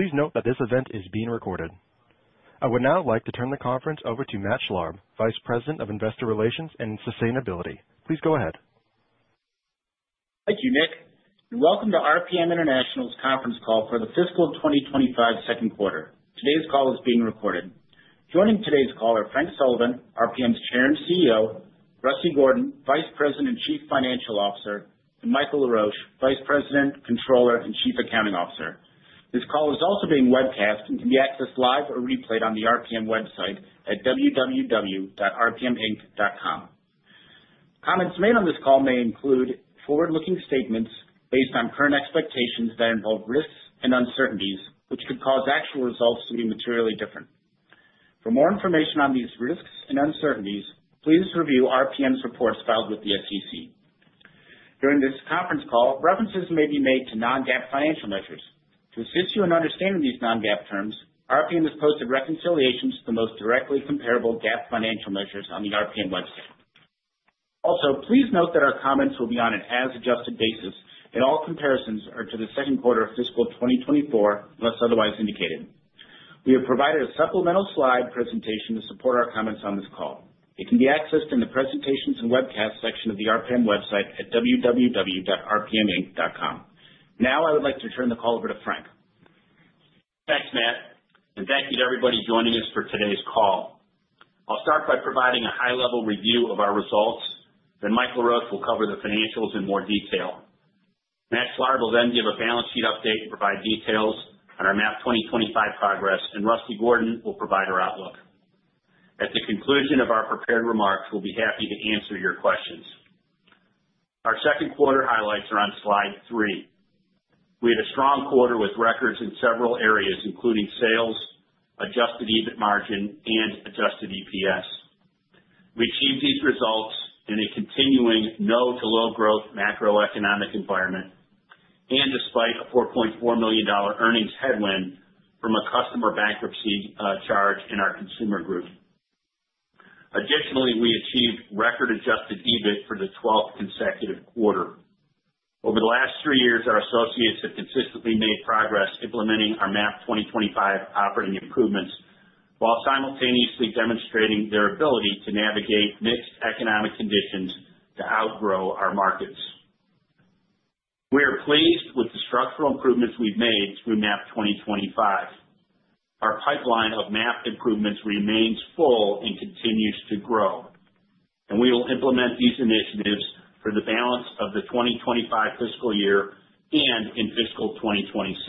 Please note that this event is being recorded. I would now like to turn the conference over to Matt Schlarb, Vice President of Investor Relations and Sustainability. Please go ahead. Thank you, Nick. Welcome to RPM International's conference call for the fiscal 2025 second quarter. Today's call is being recorded. Joining today's call are Frank Sullivan, RPM's Chair and CEO; Rusty Gordon, Vice President and Chief Financial Officer; and Michael Laroche, Vice President, Controller, and Chief Accounting Officer. This call is also being webcast and can be accessed live or replayed on the RPM website at www.rpminc.com. Comments made on this call may include forward-looking statements based on current expectations that involve risks and uncertainties, which could cause actual results to be materially different. For more information on these risks and uncertainties, please review RPM's reports filed with the SEC. During this conference call, references may be made to non-GAAP financial measures. To assist you in understanding these non-GAAP terms, RPM has posted reconciliations to the most directly comparable GAAP financial measures on the RPM website. Also, please note that our comments will be on an as-adjusted basis, and all comparisons are to the second quarter of fiscal 2024, unless otherwise indicated. We have provided a supplemental slide presentation to support our comments on this call. It can be accessed in the Presentations and Webcasts section of the RPM website at www.rpminc.com. Now, I would like to turn the call over to Frank. Thanks, Matt. And thank you to everybody joining us for today's call. I'll start by providing a high-level review of our results, then Michael Laroche will cover the financials in more detail. Matt Schlarb will then give a balance sheet update and provide details on our MAP 2025 progress, and Rusty Gordon will provide our outlook. At the conclusion of our prepared remarks, we'll be happy to answer your questions. Our second quarter highlights are on slide three. We had a strong quarter with records in several areas, including sales, Adjusted EBIT margin, and adjusted EPS. We achieved these results in a continuing no-to-low-growth macroeconomic environment and despite a $4.4 million earnings headwind from a customer bankruptcy charge in our consumer group. Additionally, we achieved record Adjusted EBIT for the 12th consecutive quarter. Over the last three years, our associates have consistently made progress implementing our MAP 2025 operating improvements while simultaneously demonstrating their ability to navigate mixed economic conditions to outgrow our markets. We are pleased with the structural improvements we've made through MAP 2025. Our pipeline of MAP improvements remains full and continues to grow, and we will implement these initiatives for the balance of the 2025 fiscal year and in fiscal 2026.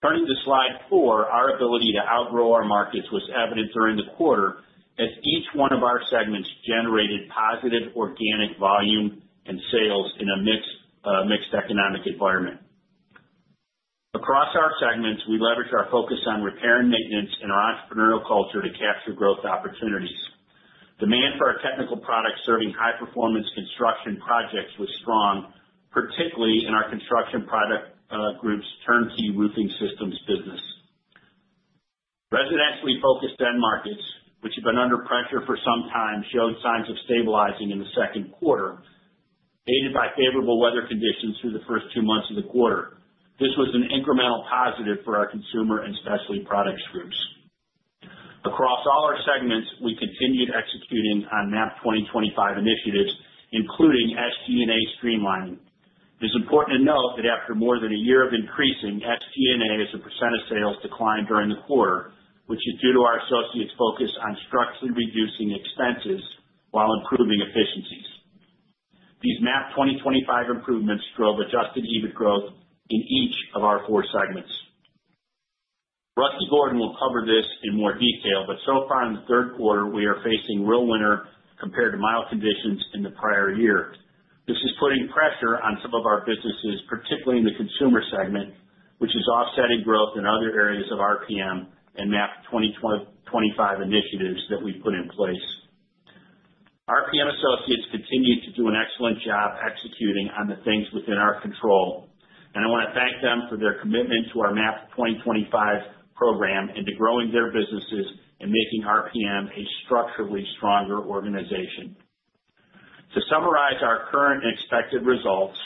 Turning to slide four, our ability to outgrow our markets was evident during the quarter as each one of our segments generated positive organic volume and sales in a mixed economic environment. Across our segments, we leverage our focus on repair and maintenance and our entrepreneurial culture to capture growth opportunities. Demand for our technical products serving high-performance construction projects was strong, particularly in our Construction Products Group's turnkey roofing systems business. Residentially focused end markets, which have been under pressure for some time, showed signs of stabilizing in the second quarter, aided by favorable weather conditions through the first two months of the quarter. This was an incremental positive for our consumer and specialty products groups. Across all our segments, we continued executing on MAP 2025 initiatives, including SG&A streamlining. It is important to note that after more than a year of increasing, SG&A's % of sales declined during the quarter, which is due to our associates' focus on structurally reducing expenses while improving efficiencies. These MAP 2025 improvements drove Adjusted EBIT growth in each of our four segments. Rusty Gordon will cover this in more detail, but so far in the third quarter, we are facing real winter compared to mild conditions in the prior year. This is putting pressure on some of our businesses, particularly in the consumer segment, which is offsetting growth in other areas of RPM and MAP 2025 initiatives that we've put in place. RPM associates continue to do an excellent job executing on the things within our control, and I want to thank them for their commitment to our MAP 2025 program and to growing their businesses and making RPM a structurally stronger organization. To summarize our current and expected results,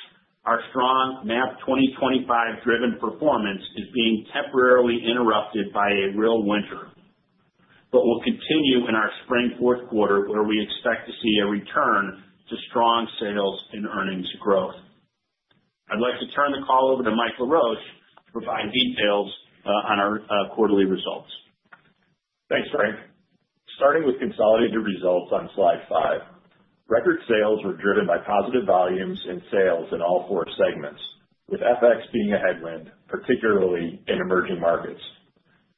our strong MAP 2025-driven performance is being temporarily interrupted by a real winter, but we'll continue in our spring fourth quarter, where we expect to see a return to strong sales and earnings growth. I'd like to turn the call over to Michael Laroche to provide details on our quarterly results. Thanks, Frank. Starting with consolidated results on slide five, record sales were driven by positive volumes and sales in all four segments, with FX being a headwind, particularly in emerging markets.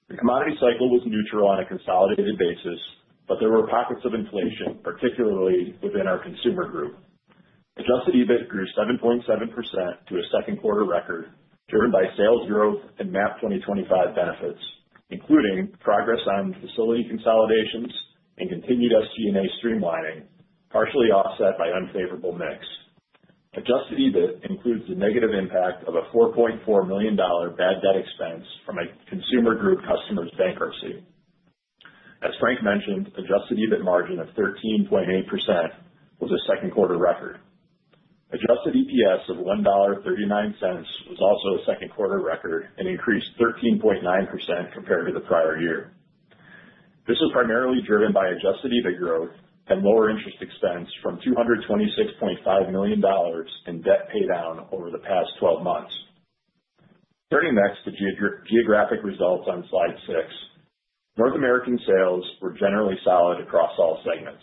The commodity cycle was neutral on a consolidated basis, but there were pockets of inflation, particularly within our consumer group. Adjusted EBIT grew 7.7% to a second quarter record, driven by sales growth and MAP 2025 benefits, including progress on facility consolidations and continued SG&A streamlining, partially offset by unfavorable mix. Adjusted EBIT includes the negative impact of a $4.4 million bad debt expense from a consumer group customer's bankruptcy. As Frank mentioned, Adjusted EBIT margin of 13.8% was a second quarter record. Adjusted EPS of $1.39 was also a second quarter record and increased 13.9% compared to the prior year. This is primarily driven by Adjusted EBIT growth and lower interest expense from $226.5 million in debt paydown over the past 12 months. Turning next to geographic results on slide six, North American sales were generally solid across all segments.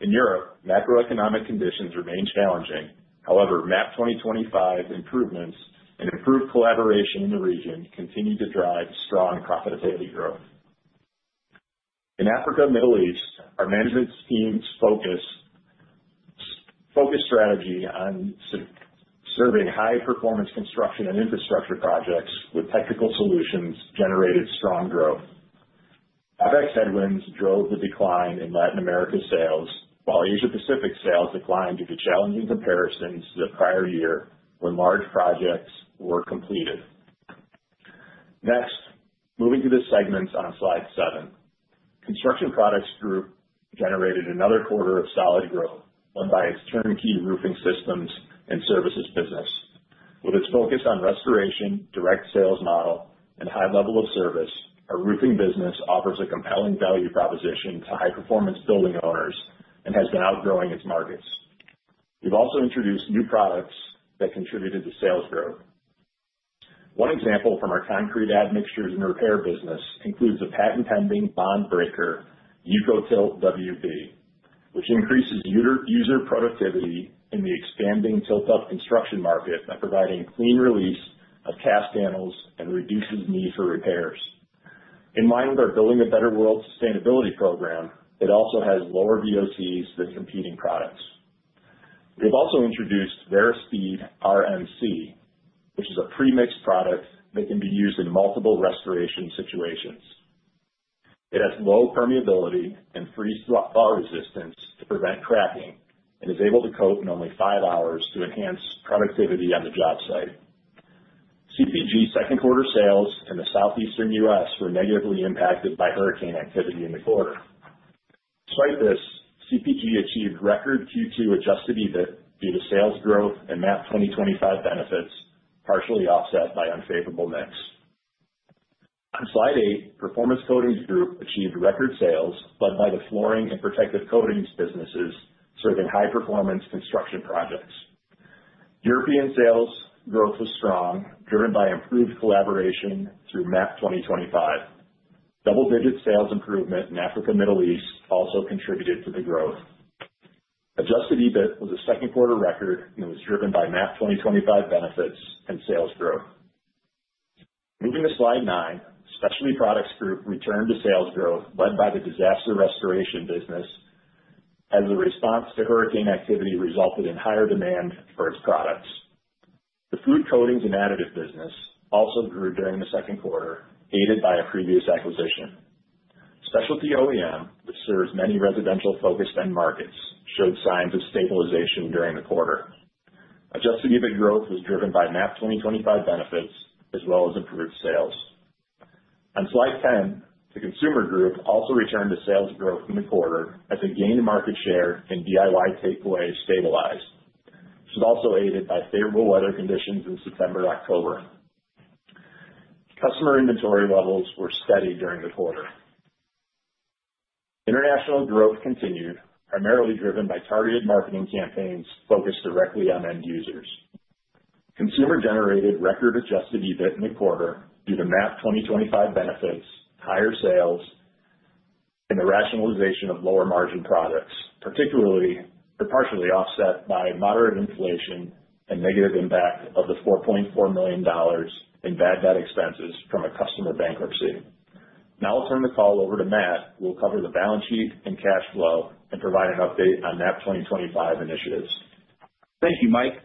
In Europe, macroeconomic conditions remained challenging. However, MAP 2025 improvements and improved collaboration in the region continue to drive strong profitability growth. In Africa and the Middle East, our management team's focused strategy on serving high-performance construction and infrastructure projects with technical solutions generated strong growth. FX headwinds drove the decline in Latin America's sales, while Asia-Pacific sales declined due to challenging comparisons the prior year when large projects were completed. Next, moving to the segments on slide seven, the construction products group generated another quarter of solid growth by its turnkey roofing systems and services business. With its focus on restoration, direct sales model, and high level of service, our roofing business offers a compelling value proposition to high-performance building owners and has been outgrowing its markets. We've also introduced new products that contributed to sales growth. One example from our concrete admixtures and repair business includes a patent-pending bond breaker, EucoTilt WB, which increases user productivity in the expanding tilt-up construction market by providing clean release of cast panels and reduces need for repairs. In line with our Building a Better World sustainability program, it also has lower VOCs than competing products. We have also introduced VersaSpeed RMC, which is a premixed product that can be used in multiple restoration situations. It has low permeability and freeze-thaw resistance to prevent cracking and is able to coat in only five hours to enhance productivity on the job site. CPG second quarter sales in the Southeastern U.S., were negatively impacted by hurricane activity in the quarter. Despite this, CPG achieved record Q2 Adjusted EBIT due to sales growth and MAP 2025 benefits, partially offset by unfavorable mix. On slide eight, performance coatings group achieved record sales, led by the flooring and protective coatings businesses serving high-performance construction projects. European sales growth was strong, driven by improved collaboration through MAP 2025. Double-digit sales improvement in Africa and the Middle East also contributed to the growth. Adjusted EBIT was a second quarter record and was driven by MAP 2025 benefits and sales growth. Moving to slide nine, specialty products group returned to sales growth, led by the disaster restoration business, as the response to hurricane activity resulted in higher demand for its products. The food coatings and additive business also grew during the second quarter, aided by a previous acquisition. Specialty OEM, which serves many residential-focused end markets, showed signs of stabilization during the quarter. Adjusted EBIT growth was driven by MAP 2025 benefits as well as improved sales. On slide 10, the consumer group also returned to sales growth in the quarter as we gained market share in DIY takeaway stabilized. This was also aided by favorable weather conditions in September and October. Customer inventory levels were steady during the quarter. International growth continued, primarily driven by targeted marketing campaigns focused directly on end users. The consumer group generated record Adjusted EBIT in the quarter due to MAP 2025 benefits, higher sales, and the rationalization of lower margin products, partially offset by moderate inflation and the negative impact of the $4.4 million in bad debt expenses from a customer bankruptcy. Now I'll turn the call over to Matt, who will cover the balance sheet and cash flow and provide an update on MAP 2025 initiatives. Thank you, Mike.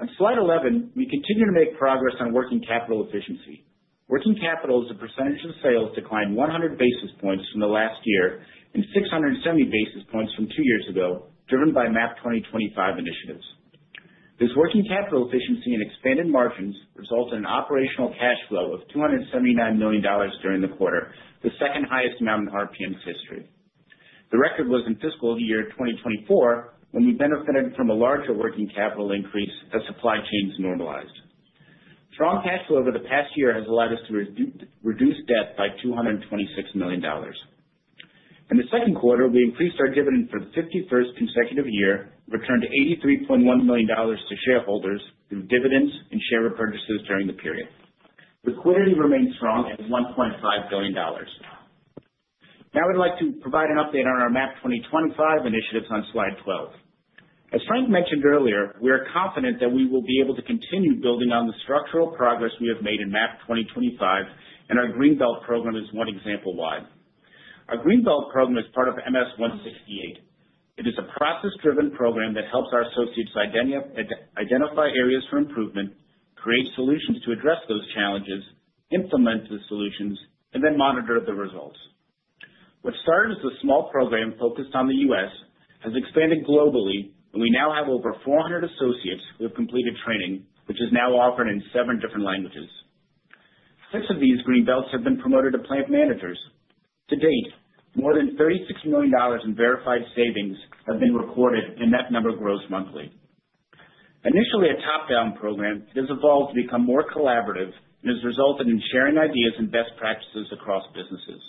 On slide 11, we continue to make progress on working capital efficiency. Working capital as a percentage of sales declined 100 basis points from the last year and 670 basis points from two years ago, driven by MAP 2025 initiatives. This working capital efficiency and expanded margins result in an operational cash flow of $279 million during the quarter, the second highest amount in RPM's history. The record was in fiscal year 2024 when we benefited from a larger working capital increase as supply chains normalized. Strong cash flow over the past year has allowed us to reduce debt by $226 million. In the second quarter, we increased our dividend for the 51st consecutive year, returned $83.1 million to shareholders through dividends and share repurchases during the period. Liquidity remained strong at $1.5 billion. Now I'd like to provide an update on our MAP 2025 initiatives on slide 12. As Frank mentioned earlier, we are confident that we will be able to continue building on the structural progress we have made in MAP 2025, and our Green Belt program is one example why. Our Green Belt program is part of MS-168. It is a process-driven program that helps our associates identify areas for improvement, create solutions to address those challenges, implement the solutions, and then monitor the results. What started as a small program focused on the U.S. has expanded globally, and we now have over 400 associates who have completed training, which is now offered in seven different languages. Six of these Green Belts have been promoted to plant managers. To date, more than $36 million in verified savings have been recorded, and that number grows monthly. Initially a top-down program, it has evolved to become more collaborative and has resulted in sharing ideas and best practices across businesses.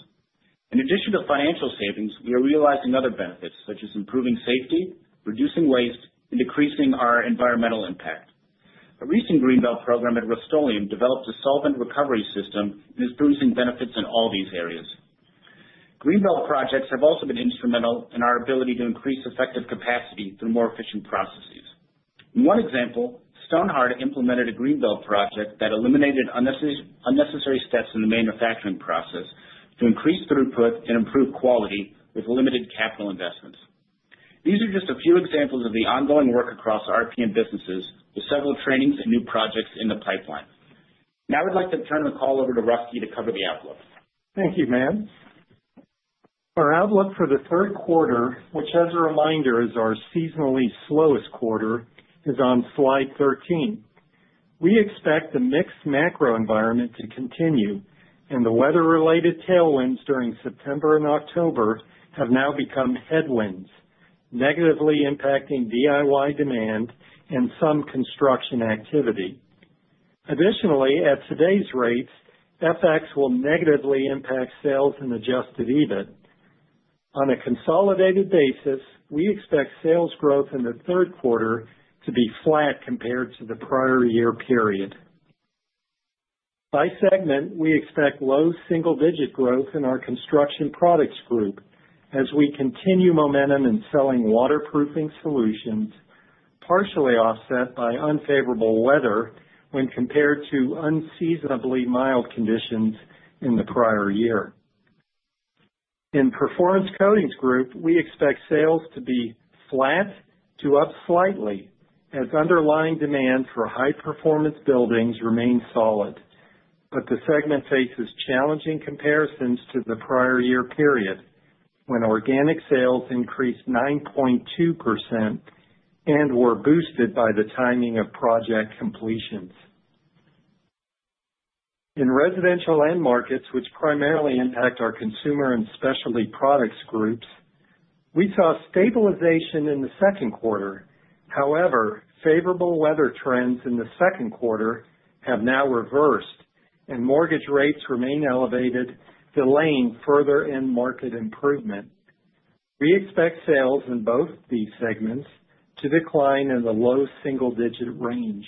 In addition to financial savings, we are realizing other benefits, such as improving safety, reducing waste, and decreasing our environmental impact. A recent Green Belt program at Rust-Oleum developed a solvent recovery system and is producing benefits in all these areas. Green Belt projects have also been instrumental in our ability to increase effective capacity through more efficient processes. One example, Stonhard implemented a Green Belt project that eliminated unnecessary steps in the manufacturing process to increase throughput and improve quality with limited capital investments. These are just a few examples of the ongoing work across RPM businesses with several trainings and new projects in the pipeline. Now I'd like to turn the call over to Rusty to cover the outlook. Thank you, Matt. Our outlook for the third quarter, which, as a reminder, is our seasonally slowest quarter, is on slide 13. We expect the mixed macro environment to continue, and the weather-related tailwinds during September and October have now become headwinds, negatively impacting DIY demand and some construction activity. Additionally, at today's rates, FX will negatively impact sales and Adjusted EBIT. On a consolidated basis, we expect sales growth in the third quarter to be flat compared to the prior year period. By segment, we expect low single-digit growth in our construction products group as we continue momentum in selling waterproofing solutions, partially offset by unfavorable weather when compared to unseasonably mild conditions in the prior year. In Performance Coatings Group, we expect sales to be flat to up slightly as underlying demand for high-performance buildings remains solid, but the segment faces challenging comparisons to the prior year period when organic sales increased 9.2% and were boosted by the timing of project completions. In residential end markets, which primarily impact our Consumer and Specialty Products Groups, we saw stabilization in the second quarter. However, favorable weather trends in the second quarter have now reversed, and mortgage rates remain elevated, delaying further end market improvement. We expect sales in both these segments to decline in the low single-digit range.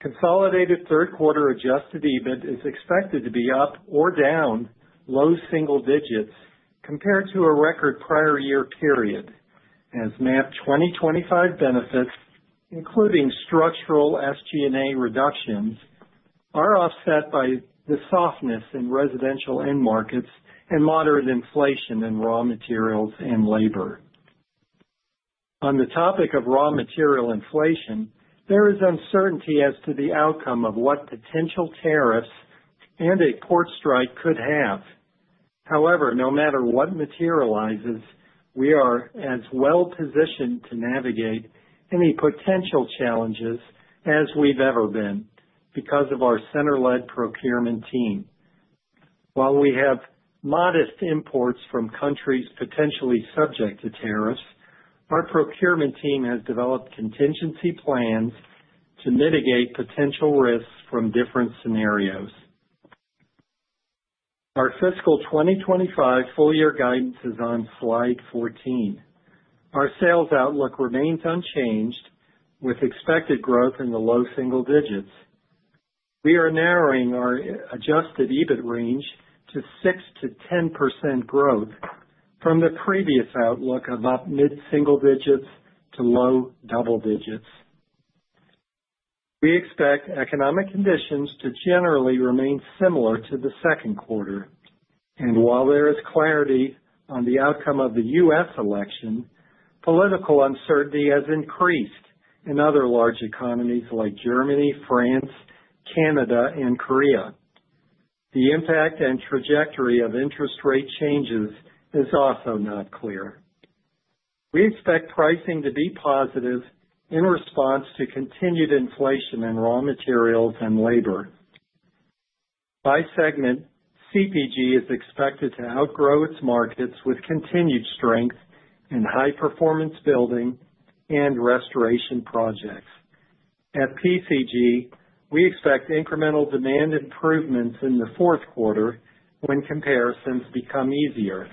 Consolidated third quarter Adjusted EBIT is expected to be up or down low single digits compared to a record prior year period, as MAP 2025 benefits, including structural SG&A reductions, are offset by the softness in residential end markets and moderate inflation in raw materials and labor. On the topic of raw material inflation, there is uncertainty as to the outcome of what potential tariffs and a port strike could have. However, no matter what materializes, we are as well positioned to navigate any potential challenges as we've ever been because of our center-led procurement team. While we have modest imports from countries potentially subject to tariffs, our procurement team has developed contingency plans to mitigate potential risks from different scenarios. Our fiscal 2025 full year guidance is on slide 14. Our sales outlook remains unchanged, with expected growth in the low single digits. We are narrowing our Adjusted EBIT range to 6%-10% growth from the previous outlook of up mid-single digits to low double digits. We expect economic conditions to generally remain similar to the second quarter. And while there is clarity on the outcome of the U.S. Election, political uncertainty has increased in other large economies like Germany, France, Canada, and Korea. The impact and trajectory of interest rate changes is also not clear. We expect pricing to be positive in response to continued inflation in raw materials and labor. By segment, CPG is expected to outgrow its markets with continued strength in high-performance building and restoration projects. At PCG, we expect incremental demand improvements in the fourth quarter when comparisons become easier.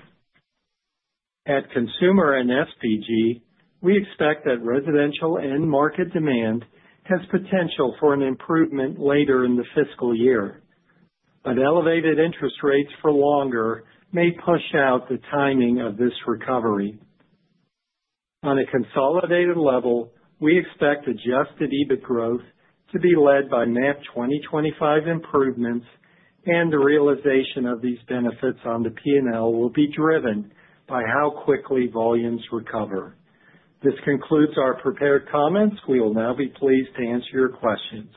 At consumer and SPG, we expect that residential end market demand has potential for an improvement later in the fiscal year, but elevated interest rates for longer may push out the timing of this recovery. On a consolidated level, we expect Adjusted EBIT growth to be led by MAP 2025 improvements, and the realization of these benefits on the P&L will be driven by how quickly volumes recover. This concludes our prepared comments. We will now be pleased to answer your questions.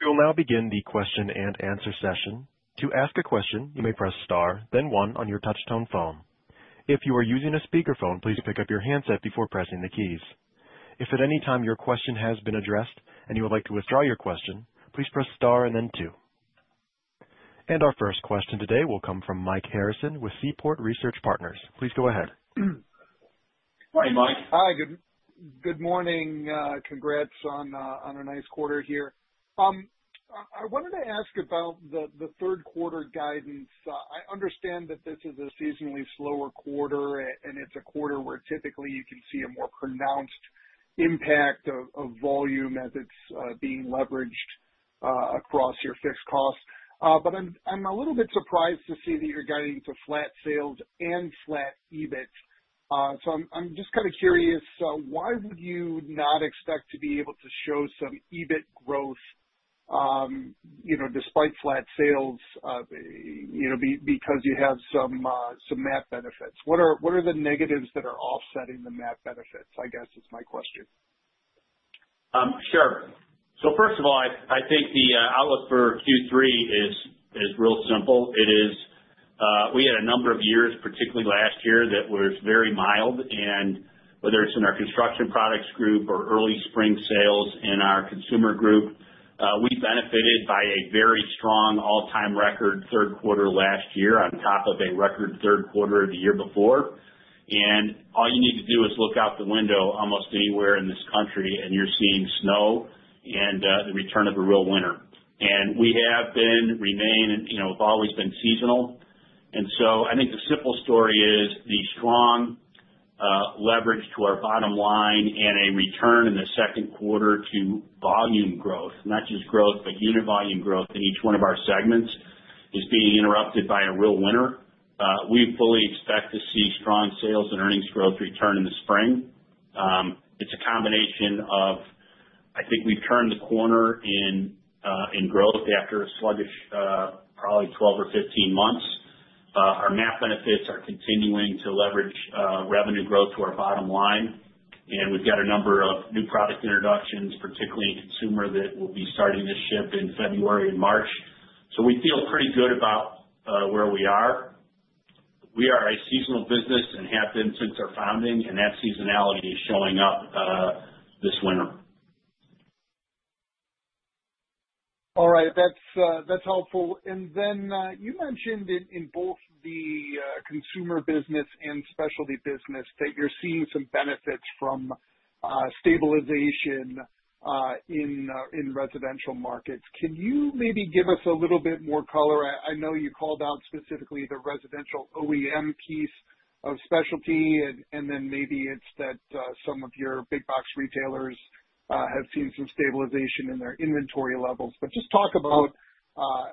We will now begin the question-and-answer session. To ask a question, you may press star, then one on your touch-tone phone. If you are using a speakerphone, please pick up your handset before pressing the keys. If at any time your question has been addressed and you would like to withdraw your question, please press star and then two. And our first question today will come from Mike Harrison with Seaport Research Partners. Please go ahead. Morning, Mike. Hi, good morning. Congrats on a nice quarter here. I wanted to ask about the third quarter guidance. I understand that this is a seasonally slower quarter, and it's a quarter where typically you can see a more pronounced impact of volume as it's being leveraged across your fixed costs. But I'm a little bit surprised to see that you're guiding to flat sales and flat EBIT. So I'm just kind of curious, why would you not expect to be able to show some EBIT growth despite flat sales because you have some MAP benefits? What are the negatives that are offsetting the MAP benefits, I guess, is my question. Sure. So first of all, I think the outlook for Q3 is real simple. We had a number of years, particularly last year, that were very mild. And whether it's in our construction products group or early spring sales in our consumer group, we benefited by a very strong all-time record third quarter last year on top of a record third quarter of the year before. And all you need to do is look out the window almost anywhere in this country, and you're seeing snow and the return of a real winter. And we have been, remain, have always been seasonal. And so I think the simple story is the strong leverage to our bottom line and a return in the second quarter to volume growth, not just growth, but unit volume growth in each one of our segments is being interrupted by a real winter. We fully expect to see strong sales and earnings growth return in the spring. It's a combination of, I think we've turned the corner in growth after a sluggish, probably 12 or 15 months. Our MAP benefits are continuing to leverage revenue growth to our bottom line. And we've got a number of new product introductions, particularly in consumer, that will be starting to ship in February and March. So we feel pretty good about where we are. We are a seasonal business and have been since our founding, and that seasonality is showing up this winter. All right. That's helpful. And then you mentioned in both the consumer business and specialty business that you're seeing some benefits from stabilization in residential markets. Can you maybe give us a little bit more color? I know you called out specifically the residential OEM piece of specialty, and then maybe it's that some of your big box retailers have seen some stabilization in their inventory levels. But just talk about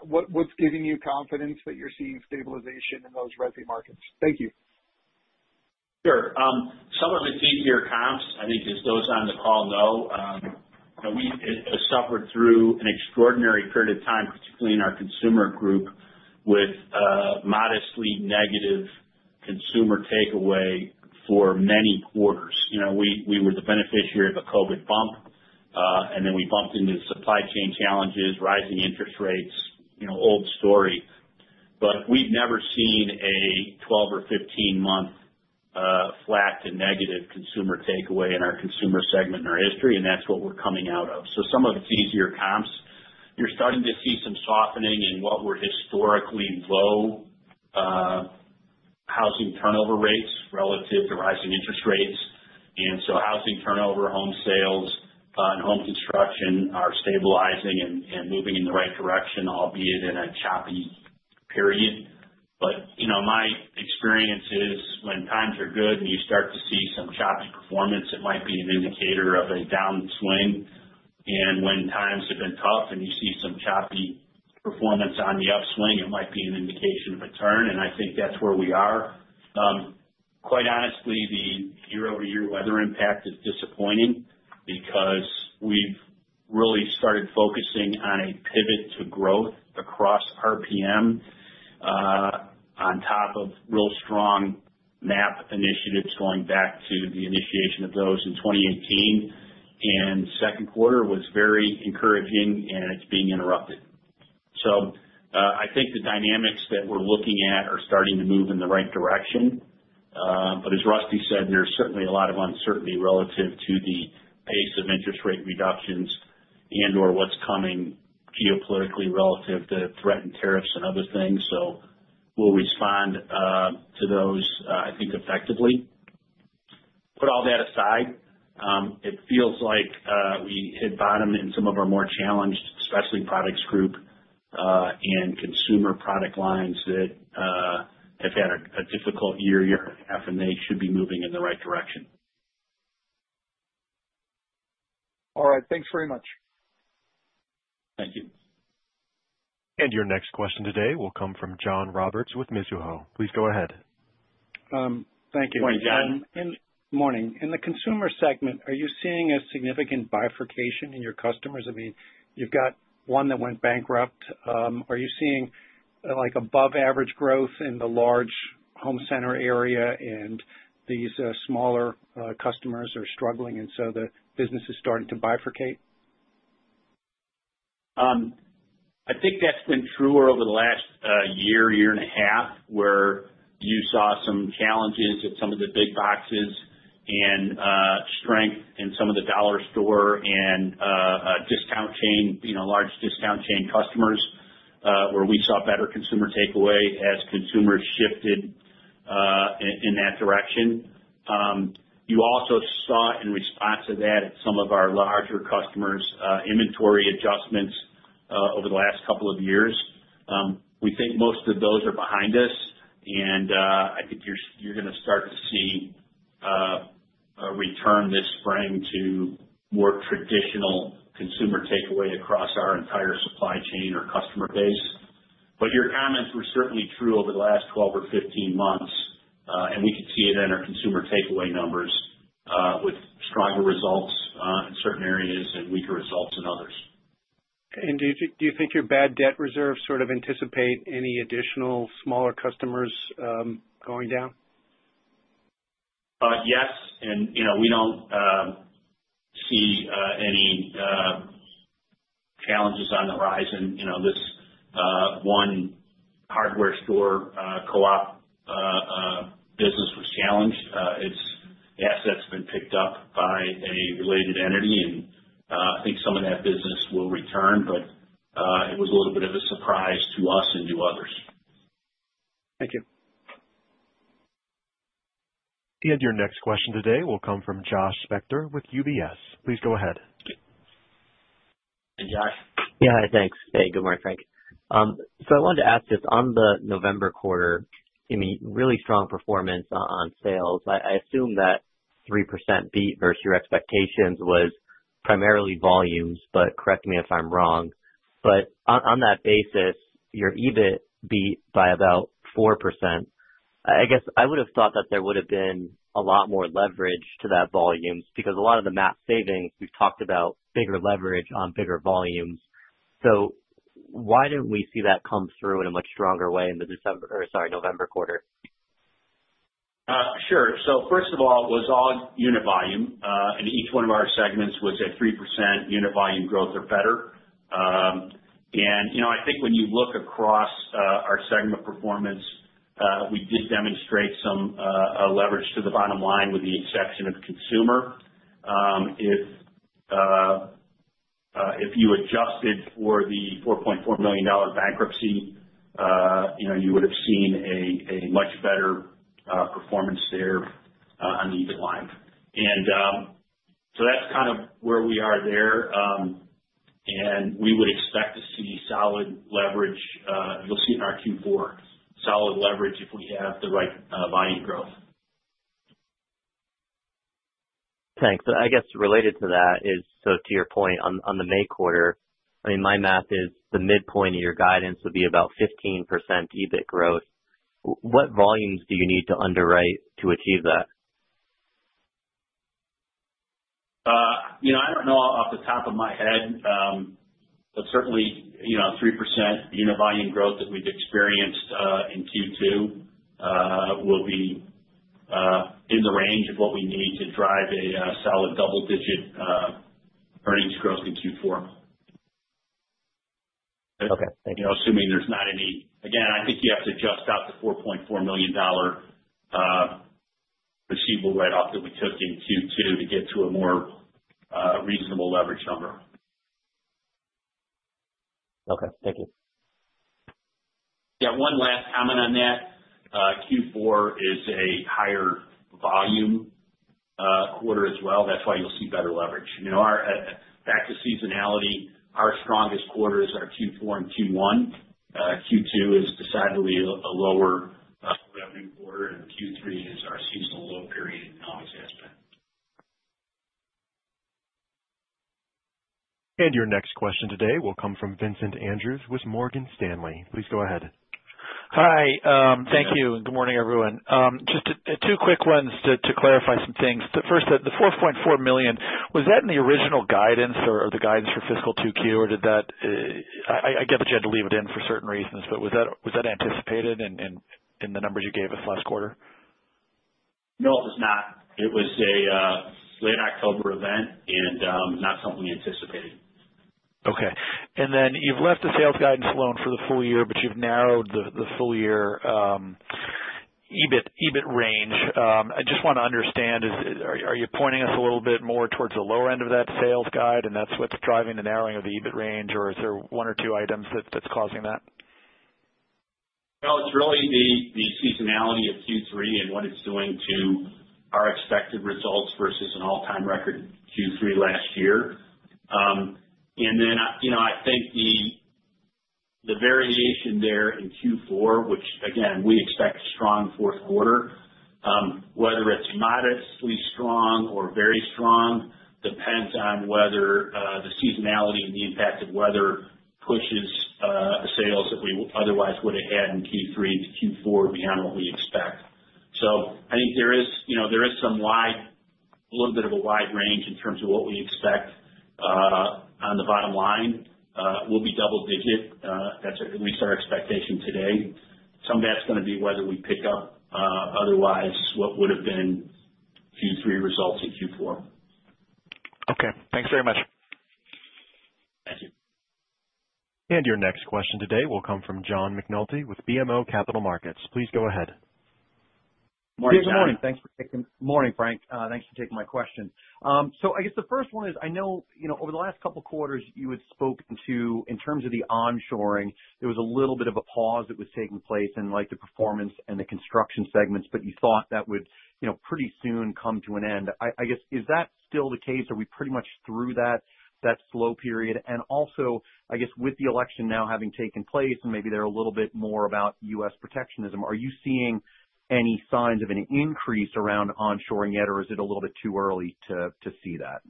what's giving you confidence that you're seeing stabilization in those resi markets. Thank you. Sure. Some of the easier comps, I think, as those on the call know, we have suffered through an extraordinary period of time, particularly in our consumer group, with modestly negative consumer takeaway for many quarters. We were the beneficiary of a COVID bump, and then we bumped into supply chain challenges, rising interest rates, old story, but we've never seen a 12 or 15-month flat to negative consumer takeaway in our consumer segment in our history, and that's what we're coming out of, so some of it's easier comps. You're starting to see some softening in what were historically low housing turnover rates relative to rising interest rates, and so housing turnover, home sales, and home construction are stabilizing and moving in the right direction, albeit in a choppy period. But my experience is when times are good and you start to see some choppy performance, it might be an indicator of a downswing. And when times have been tough and you see some choppy performance on the upswing, it might be an indication of a turn. And I think that's where we are. Quite honestly, the year-over-year weather impact is disappointing because we've really started focusing on a pivot to growth across RPM on top of real strong MAP initiatives going back to the initiation of those in 2018. And second quarter was very encouraging, and it's being interrupted. So I think the dynamics that we're looking at are starting to move in the right direction. But as Rusty said, there's certainly a lot of uncertainty relative to the pace of interest rate reductions and/or what's coming geopolitically relative to threatened tariffs and other things. So we'll respond to those, I think, effectively. Put all that aside, it feels like we hit bottom in some of our more challenged, Specialty Products Group and consumer product lines that have had a difficult year, year and a half, and they should be moving in the right direction. All right. Thanks very much. Thank you. And your next question today will come from John Roberts with Mizuho. Please go ahead. Thank you. Morning, John. Morning. In the consumer segment, are you seeing a significant bifurcation in your customers? I mean, you've got one that went bankrupt. Are you seeing above-average growth in the large home center area and these smaller customers are struggling, and so the business is starting to bifurcate? I think that's been truer over the last year, year and a half, where you saw some challenges at some of the big boxes and strength in some of the dollar store and discount chain, large discount chain customers, where we saw better consumer takeaway as consumers shifted in that direction. You also saw, in response to that, at some of our larger customers, inventory adjustments over the last couple of years. We think most of those are behind us, and I think you're going to start to see a return this spring to more traditional consumer takeaway across our entire supply chain or customer base. But your comments were certainly true over the last 12 or 15 months, and we could see it in our consumer takeaway numbers with stronger results in certain areas and weaker results in others. Do you think your bad debt reserves sort of anticipate any additional smaller customers going down? Yes. And we don't see any challenges on the rise. And this one hardware store co-op business was challenged. Its assets have been picked up by a related entity, and I think some of that business will return. But it was a little bit of a surprise to us and to others. Thank you. Your next question today will come from Josh Spector with UBS. Please go ahead. Hey, Josh. Yeah, thanks. Hey, good morning, Frank. So I wanted to ask if on the November quarter, I mean, really strong performance on sales. I assume that 3% beat versus your expectations was primarily volumes, but correct me if I'm wrong. But on that basis, your EBIT beat by about 4%. I guess I would have thought that there would have been a lot more leverage to that volume because a lot of the MAP savings, we've talked about bigger leverage on bigger volumes. So why didn't we see that come through in a much stronger way in the December or sorry, November quarter? Sure. So first of all, it was all unit volume, and each one of our segments was at 3% unit volume growth or better. And I think when you look across our segment performance, we did demonstrate some leverage to the bottom line with the exception of consumer. If you adjusted for the $4.4 million bankruptcy, you would have seen a much better performance there on the EBIT line. And so that's kind of where we are there. And we would expect to see solid leverage. You'll see it in our Q4, solid leverage if we have the right volume growth. Thanks. I guess related to that is, so to your point, on the May quarter, I mean, my math is the midpoint of your guidance would be about 15% EBIT growth. What volumes do you need to underwrite to achieve that? I don't know off the top of my head, but certainly 3% unit volume growth that we've experienced in Q2 will be in the range of what we need to drive a solid double-digit earnings growth in Q4. Okay. Thank you. Assuming there's not any again, I think you have to adjust out the $4.4 million receivable write-off that we took in Q2 to get to a more reasonable leverage number. Okay. Thank you. Yeah. One last comment on that. Q4 is a higher volume quarter as well. That's why you'll see better leverage. Back to seasonality, our strongest quarters are Q4 and Q1. Q2 is decidedly a lower revenue quarter, and Q3 is our seasonal low period, and now is, as it has been. Your next question today will come from Vincent Andrews with Morgan Stanley. Please go ahead. Hi. Thank you. And good morning, everyone. Just two quick ones to clarify some things. First, the $4.4 million, was that in the original guidance or the guidance for fiscal 2Q, or did I get that you had to leave it in for certain reasons, but was that anticipated in the numbers you gave us last quarter? No, it was not. It was a late October event and not something anticipated. Okay. And then you've left the sales guidance alone for the full year, but you've narrowed the full year EBIT range. I just want to understand, are you pointing us a little bit more towards the lower end of that sales guide, and that's what's driving the narrowing of the EBIT range, or is there one or two items that's causing that? It's really the seasonality of Q3 and what it's doing to our expected results versus an all-time record Q3 last year. I think the variation there in Q4, which again, we expect a strong fourth quarter, whether it's modestly strong or very strong, depends on whether the seasonality and the impact of weather pushes sales that we otherwise would have had in Q3 to Q4 beyond what we expect. I think there is a little bit of a wide range in terms of what we expect on the bottom line. We'll be double-digit. That's at least our expectation today. Some of that's going to be whether we pick up otherwise what would have been Q3 results in Q4. Okay. Thanks very much. And your next question today will come from John McNulty with BMO Capital Markets. Please go ahead. Morning, John. Good morning. Thanks for taking my call, Frank. Thanks for taking my question. So I guess the first one is I know over the last couple of quarters you had spoken to, in terms of the onshoring, there was a little bit of a pause that was taking place in the performance and the construction segments, but you thought that would pretty soon come to an end. I guess, is that still the case? Are we pretty much through that slow period? And also, I guess, with the election now having taken place and maybe there's a little bit more about U.S. protectionism, are you seeing any signs of an increase around onshoring yet, or is it a little bit too early to see that?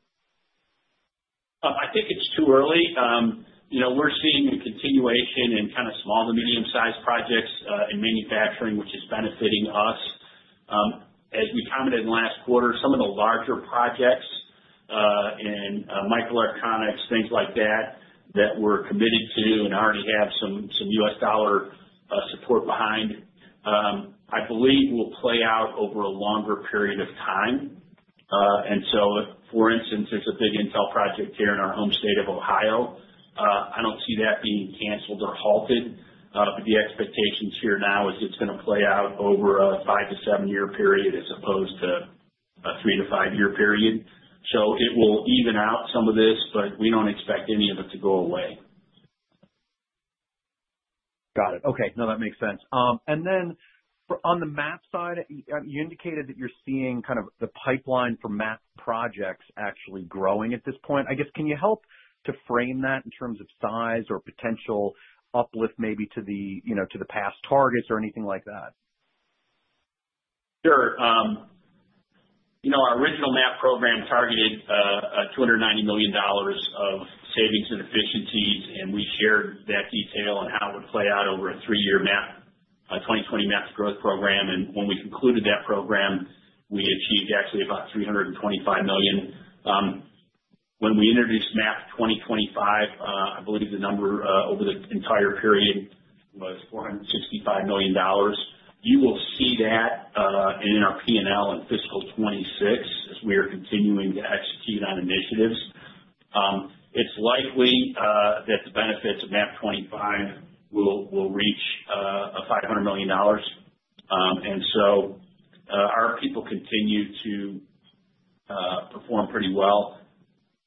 I think it's too early. We're seeing a continuation in kind of small to medium-sized projects in manufacturing, which is benefiting us. As we commented in the last quarter, some of the larger projects in microelectronics, things like that, that we're committed to and already have some U.S. dollar support behind, I believe will play out over a longer period of time, and so, for instance, there's a big Intel project here in our home state of Ohio. I don't see that being canceled or halted, but the expectations here now is it's going to play out over a five to seven-year period as opposed to a three to five-year period, so it will even out some of this, but we don't expect any of it to go away. Got it. Okay. No, that makes sense. And then on the MAP side, you indicated that you're seeing kind of the pipeline for MAP projects actually growing at this point. I guess, can you help to frame that in terms of size or potential uplift maybe to the past targets or anything like that? Sure. Our original MAP program targeted $290 million of savings and efficiencies, and we shared that detail on how it would play out over a three-year MAP, a 2020 MAP growth program. And when we concluded that program, we achieved actually about $325 million. When we introduced MAP 2025, I believe the number over the entire period was $465 million. You will see that in our P&L in fiscal 2026 as we are continuing to execute on initiatives. It's likely that the benefits of MAP 25 will reach $500 million. And so our people continue to perform pretty well.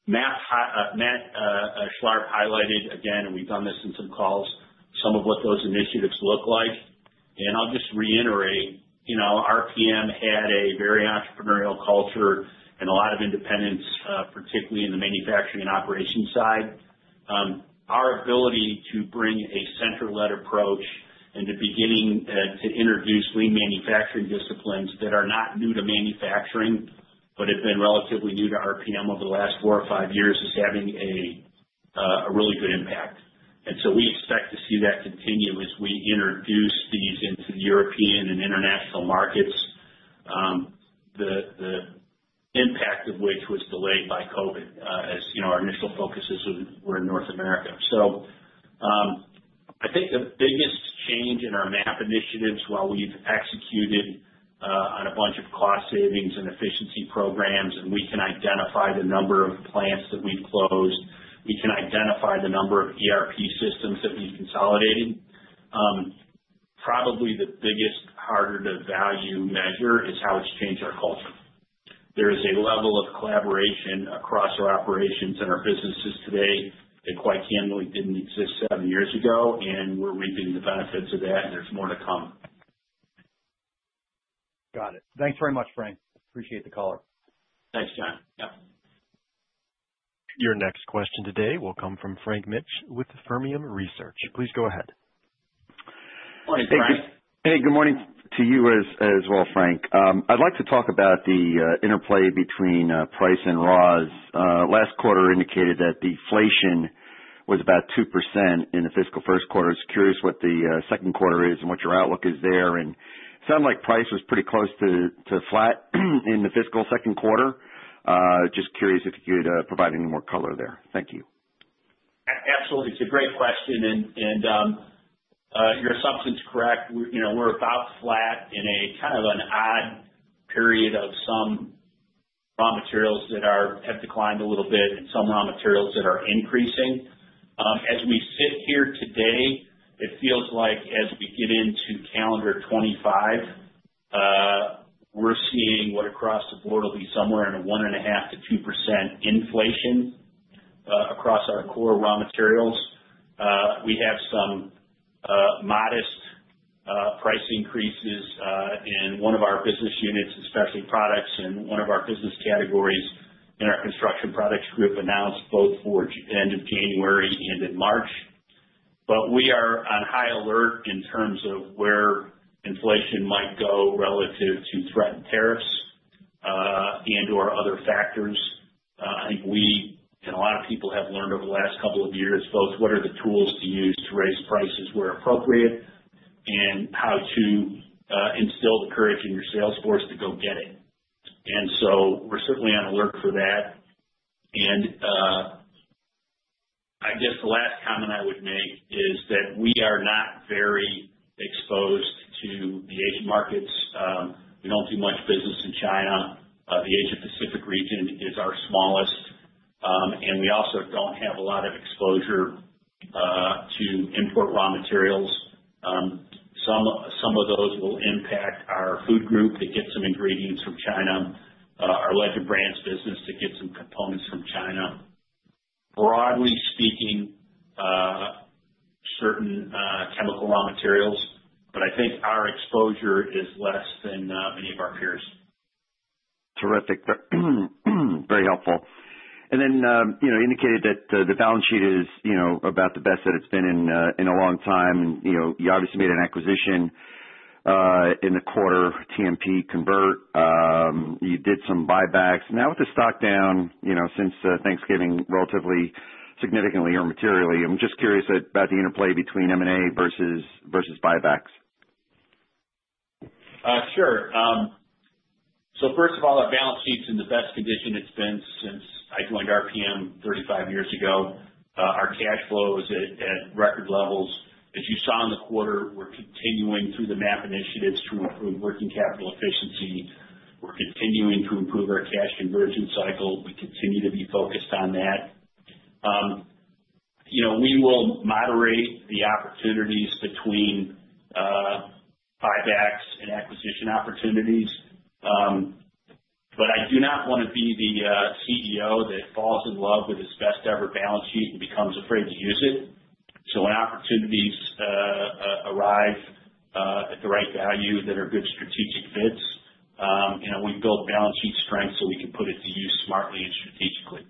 Matt Schlarb highlighted again, and we've done this in some calls, some of what those initiatives look like. And I'll just reiterate, our PM had a very entrepreneurial culture and a lot of independence, particularly in the manufacturing and operations side. Our ability to bring a center-led approach and to beginning to introduce lean manufacturing disciplines that are not new to manufacturing but have been relatively new to our RPM over the last four or five years is having a really good impact. And so we expect to see that continue as we introduce these into the European and international markets, the impact of which was delayed by COVID as our initial focuses were in North America. So I think the biggest change in our MAP initiatives while we've executed on a bunch of cost savings and efficiency programs, and we can identify the number of plants that we've closed, we can identify the number of ERP systems that we've consolidated. Probably the biggest, harder-to-value measure is how it's changed our culture. There is a level of collaboration across our operations and our businesses today that quite candidly didn't exist seven years ago, and we're reaping the benefits of that, and there's more to come. Got it. Thanks very much, Frank. Appreciate the caller. Thanks, John. Yep. Your next question today will come from Frank Mitsch with Fermium Research. Please go ahead. Morning, Frank. Hey, good morning to you as well, Frank. I'd like to talk about the interplay between price and ROS. Last quarter indicated that deflation was about 2% in the fiscal first quarter. I was curious what the second quarter is and what your outlook is there? And it sounded like price was pretty close to flat in the fiscal second quarter. Just curious if you could provide any more color there? Thank you. Absolutely. It's a great question. And your assumption is correct. We're about flat in a kind of an odd period of some raw materials that have declined a little bit and some raw materials that are increasing. As we sit here today, it feels like as we get into calendar 2025, we're seeing what across the board will be somewhere in a 1.5%-2% inflation across our core raw materials. We have some modest price increases in one of our business units, Specialty Products, and one of our business categories in our construction products group announced both for the end of January and in March. But we are on high alert in terms of where inflation might go relative to threatened tariffs and/or other factors. I think we and a lot of people have learned over the last couple of years both what are the tools to use to raise prices where appropriate and how to instill the courage in your salesforce to go get it. And so we're certainly on alert for that. And I guess the last comment I would make is that we are not very exposed to the Asian markets. We don't do much business in China. The Asia-Pacific region is our smallest, and we also don't have a lot of exposure to import raw materials. Some of those will impact our food group that gets some ingredients from China, our Legend Brands business that gets some components from China. Broadly speaking, certain chemical raw materials, but I think our exposure is less than many of our peers. Terrific. Very helpful. And then you indicated that the balance sheet is about the best that it's been in a long time. And you obviously made an acquisition in the quarter, TMP Convert. You did some buybacks. Now with the stock down since Thanksgiving, relatively significantly or materially, I'm just curious about the interplay between M&A versus buybacks. Sure. So first of all, our balance sheet's in the best condition it's been since I joined our RPM 35 years ago. Our cash flow is at record levels. As you saw in the quarter, we're continuing through the MAP initiatives to improve working capital efficiency. We're continuing to improve our cash conversion cycle. We continue to be focused on that. We will moderate the opportunities between buybacks and acquisition opportunities. But I do not want to be the CEO that falls in love with his best-ever balance sheet and becomes afraid to use it. So when opportunities arrive at the right value that are good strategic fits, we build balance sheet strength so we can put it to use smartly and strategically.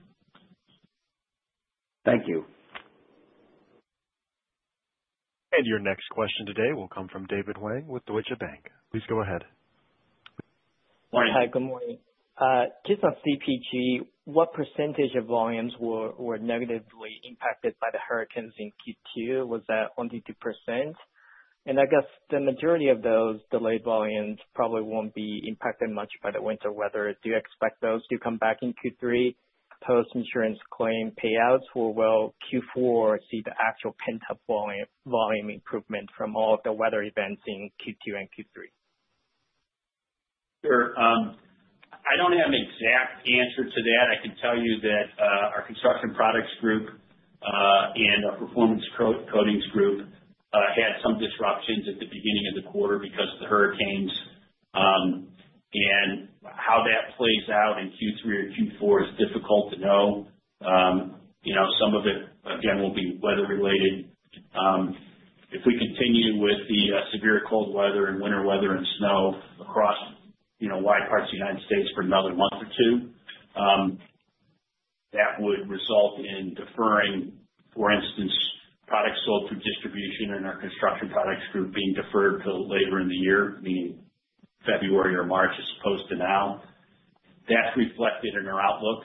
Thank you. Your next question today will come from David Wang with Deutsche Bank. Please go ahead. Morning. Hi. Good morning. Just on CPG, what percentage of volumes were negatively impacted by the hurricanes in Q2? Was that 22%? And I guess the majority of those delayed volumes probably won't be impacted much by the winter weather. Do you expect those to come back in Q3 post-insurance claim payouts? Or will Q4 see the actual pent-up volume improvement from all of the weather events in Q2 and Q3? Sure. I don't have an exact answer to that. I can tell you that our construction products group and our performance coatings group had some disruptions at the beginning of the quarter because of the hurricanes, and how that plays out in Q3 or Q4 is difficult to know. Some of it, again, will be weather-related. If we continue with the severe cold weather and winter weather and snow across wide parts of the United States for another month or two, that would result in deferring, for instance, products sold through distribution in our construction products group being deferred till later in the year, meaning February or March as opposed to now. That's reflected in our outlook,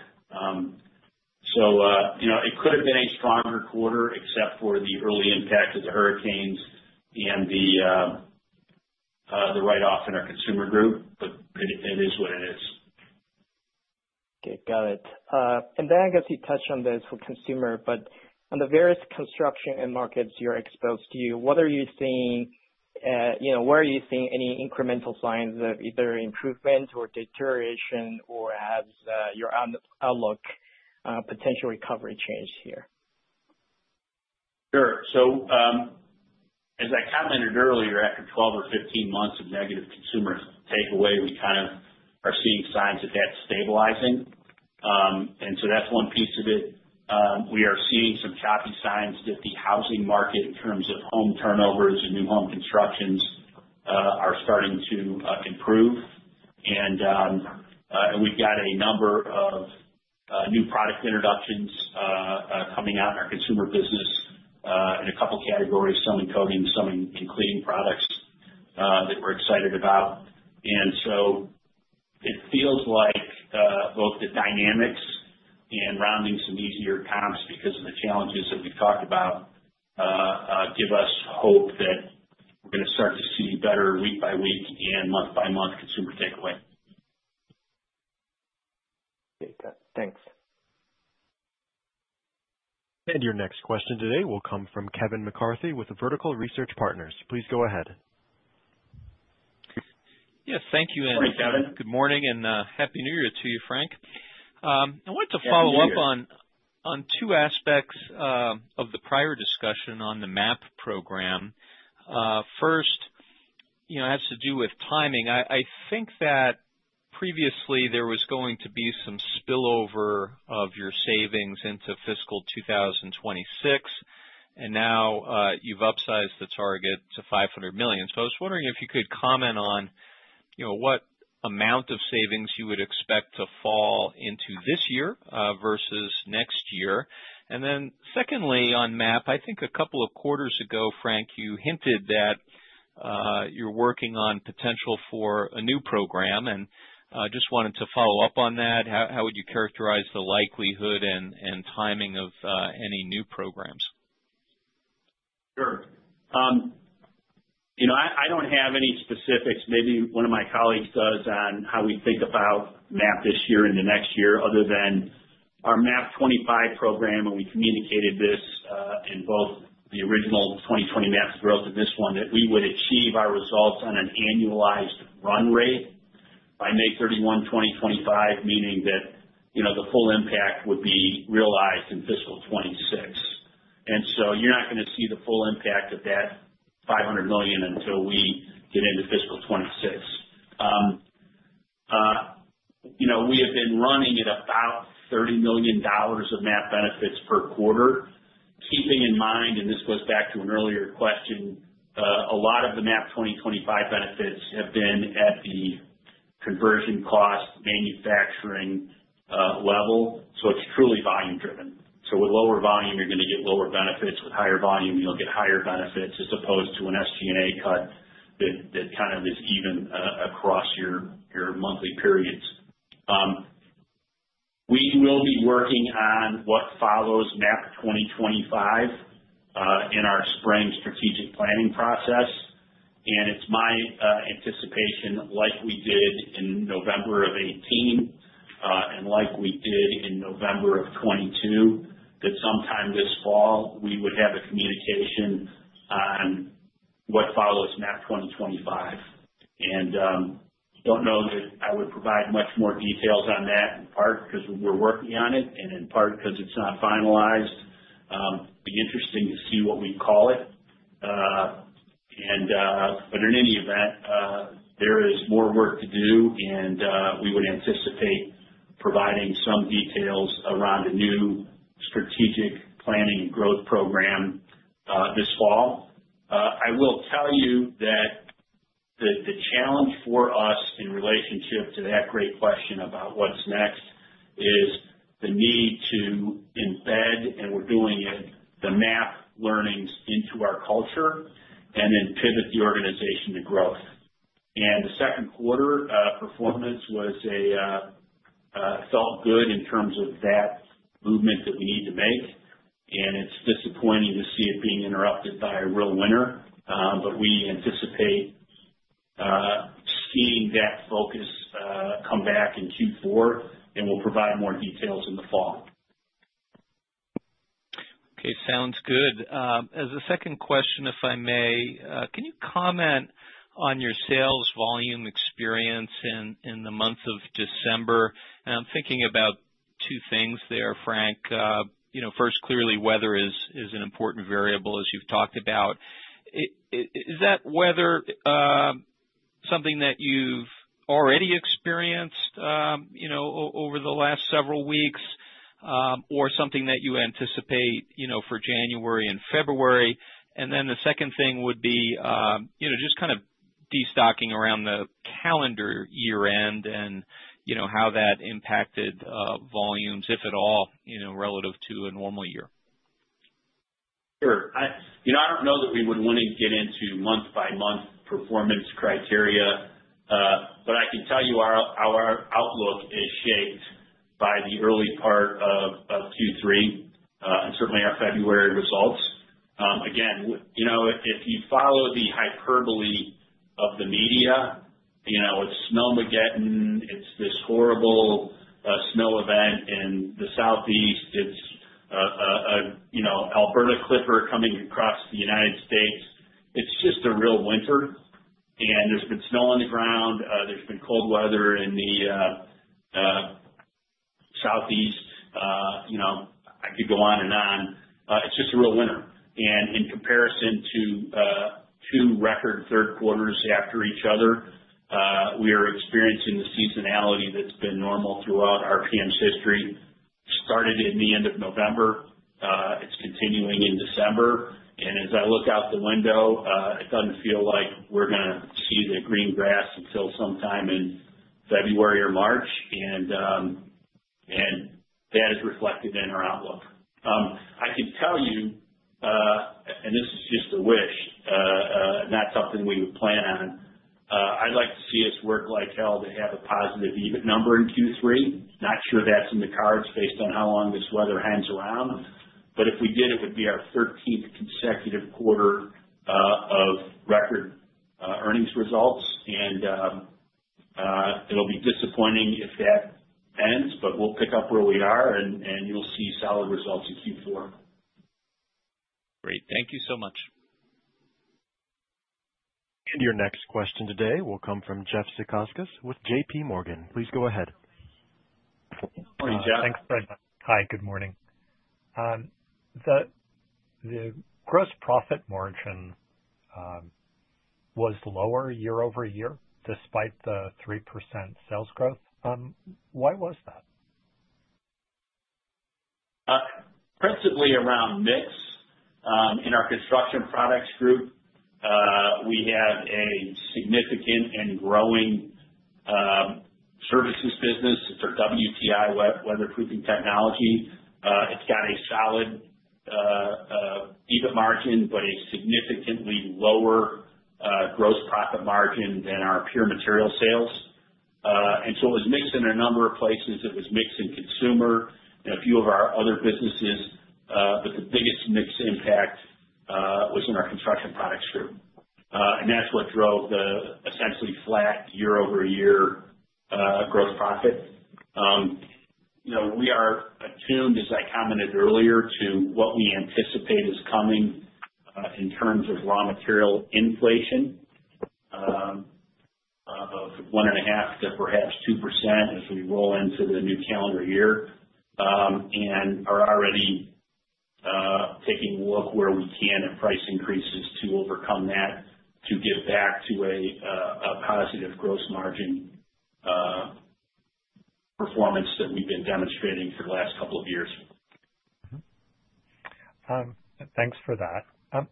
so it could have been a stronger quarter except for the early impact of the hurricanes and the write-off in our consumer group, but it is what it is. Okay. Got it. And then I guess you touched on this for consumer, but on the various construction and markets you're exposed to, what are you seeing? Where are you seeing any incremental signs of either improvement or deterioration, or has your outlook potentially changed here? Sure. So as I commented earlier, after 12 or 15 months of negative consumer takeaway, we kind of are seeing signs of that stabilizing. And so that's one piece of it. We are seeing some choppy signs that the housing market, in terms of home turnovers and new home constructions, are starting to improve. And we've got a number of new product introductions coming out in our consumer business in a couple of categories, some in coatings, some in cleaning products that we're excited about. And so it feels like both the dynamics and rounding some easier comps because of the challenges that we've talked about give us hope that we're going to start to see better week by week and month by month consumer takeaway. Okay. Thanks. And your next question today will come from Kevin McCarthy with the Vertical Research Partners. Please go ahead. Yes. Thank you, Ed. Morning, Kevin. Good morning and happy New Year to you, Frank. I wanted to follow up on two aspects of the prior discussion on the MAP program. First, it has to do with timing. I think that previously there was going to be some spillover of your savings into fiscal 2026, and now you've upsized the target to $500 million. So I was wondering if you could comment on what amount of savings you would expect to fall into this year versus next year. And then secondly, on MAP, I think a couple of quarters ago, Frank, you hinted that you're working on potential for a new program. And I just wanted to follow up on that. How would you characterize the likelihood and timing of any new programs? Sure. I don't have any specifics. Maybe one of my colleagues does on how we think about MAP this year and the next year, other than our MAP 2025 program, and we communicated this in both the original 2020 MAP growth and this one, that we would achieve our results on an annualized run rate by May 31, 2025, meaning that the full impact would be realized in fiscal 2026. You're not going to see the full impact of that $500 million until we get into fiscal 2026. We have been running at about $30 million of MAP benefits per quarter. Keeping in mind, and this goes back to an earlier question, a lot of the MAP 2025 benefits have been at the conversion cost manufacturing level. It's truly volume-driven. With lower volume, you're going to get lower benefits. With higher volume, you'll get higher benefits as opposed to an SG&A cut that kind of is even across your monthly periods. We will be working on what follows MAP 2025 in our spring strategic planning process, and it's my anticipation, like we did in November of 2018 and like we did in November of 2022, that sometime this fall, we would have a communication on what follows MAP 2025, and I don't know that I would provide much more details on that in part because we're working on it and in part because it's not finalized. It'd be interesting to see what we call it, but in any event, there is more work to do, and we would anticipate providing some details around a new strategic planning and growth program this fall. I will tell you that the challenge for us in relationship to that great question about what's next is the need to embed, and we're doing it, the MAP learnings into our culture and then pivot the organization to growth. And the second quarter performance felt good in terms of that movement that we need to make. And it's disappointing to see it being interrupted by real weather. But we anticipate seeing that focus come back in Q4, and we'll provide more details in the fall. Okay. Sounds good. As a second question, if I may, can you comment on your sales volume experience in the month of December? And I'm thinking about two things there, Frank. First, clearly, weather is an important variable, as you've talked about. Is that weather something that you've already experienced over the last several weeks or something that you anticipate for January and February? And then the second thing would be just kind of destocking around the calendar year-end and how that impacted volumes, if at all, relative to a normal year. Sure. I don't know that we would want to get into month-by-month performance criteria, but I can tell you our outlook is shaped by the early part of Q3 and certainly our February results. Again, if you follow the hyperbole of the media, it's snowmageddon. It's this horrible snow event in the Southeast. It's Alberta Clipper coming across the United States. It's just a real winter. And there's been snow on the ground. There's been cold weather in the Southeast. I could go on and on. It's just a real winter. And in comparison to two record third quarters after each other, we are experiencing the seasonality that's been normal throughout RPM's history. It started in the end of November. It's continuing in December. And as I look out the window, it doesn't feel like we're going to see the green grass until sometime in February or March. That is reflected in our outlook. I can tell you, and this is just a wish, not something we would plan on. I'd like to see us work like hell to have a positive even number in Q3. Not sure that's in the cards based on how long this weather hangs around. If we did, it would be our 13th consecutive quarter of record earnings results. It'll be disappointing if that ends, but we'll pick up where we are, and you'll see solid results in Q4. Great. Thank you so much. Your next question today will come from Jeff Zekauskas with JPMorgan. Please go ahead. Morning, Jeff. Thanks for the hi. Good morning. The gross profit margin was lower year-over-year despite the 3% sales growth. Why was that? Principally around mix. In our construction products group, we have a significant and growing services business. It's our WTI weatherproofing technology. It's got a solid EBIT margin, but a significantly lower gross profit margin than our pure material sales. And so it was mixed in a number of places. It was mixed in consumer and a few of our other businesses. But the biggest mixed impact was in our construction products group. And that's what drove the essentially flat year-over-year gross profit. We are attuned, as I commented earlier, to what we anticipate is coming in terms of raw material inflation of 1.5% to perhaps 2% as we roll into the new calendar year. And we're already taking a look where we can at price increases to overcome that to get back to a positive gross margin performance that we've been demonstrating for the last couple of years. Thanks for that.